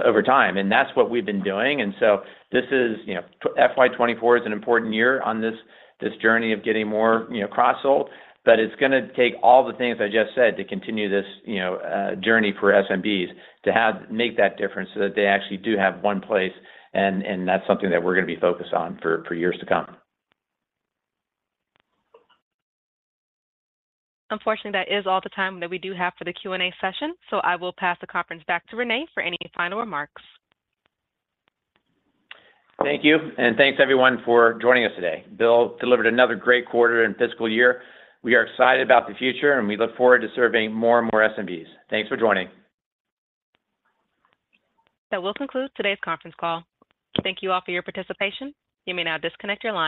over time. That's what we've been doing. So this is, you know, FY 2024 is an important year on this, this journey of getting more, you know, cross-sold, but it's gonna take all the things I just said to continue this, you know, journey for SMBs, to make that difference so that they actually do have one place, and, and that's something that we're going to be focused on for, for years to come. Unfortunately, that is all the time that we do have for the Q&A session, so I will pass the conference back to René for any final remarks. Thank you, and thanks, everyone, for joining us today. BILL delivered another great quarter and fiscal year. We are excited about the future, and we look forward to serving more and more SMBs. Thanks for joining. That will conclude today's conference call. Thank you all for your participation. You may now disconnect your lines.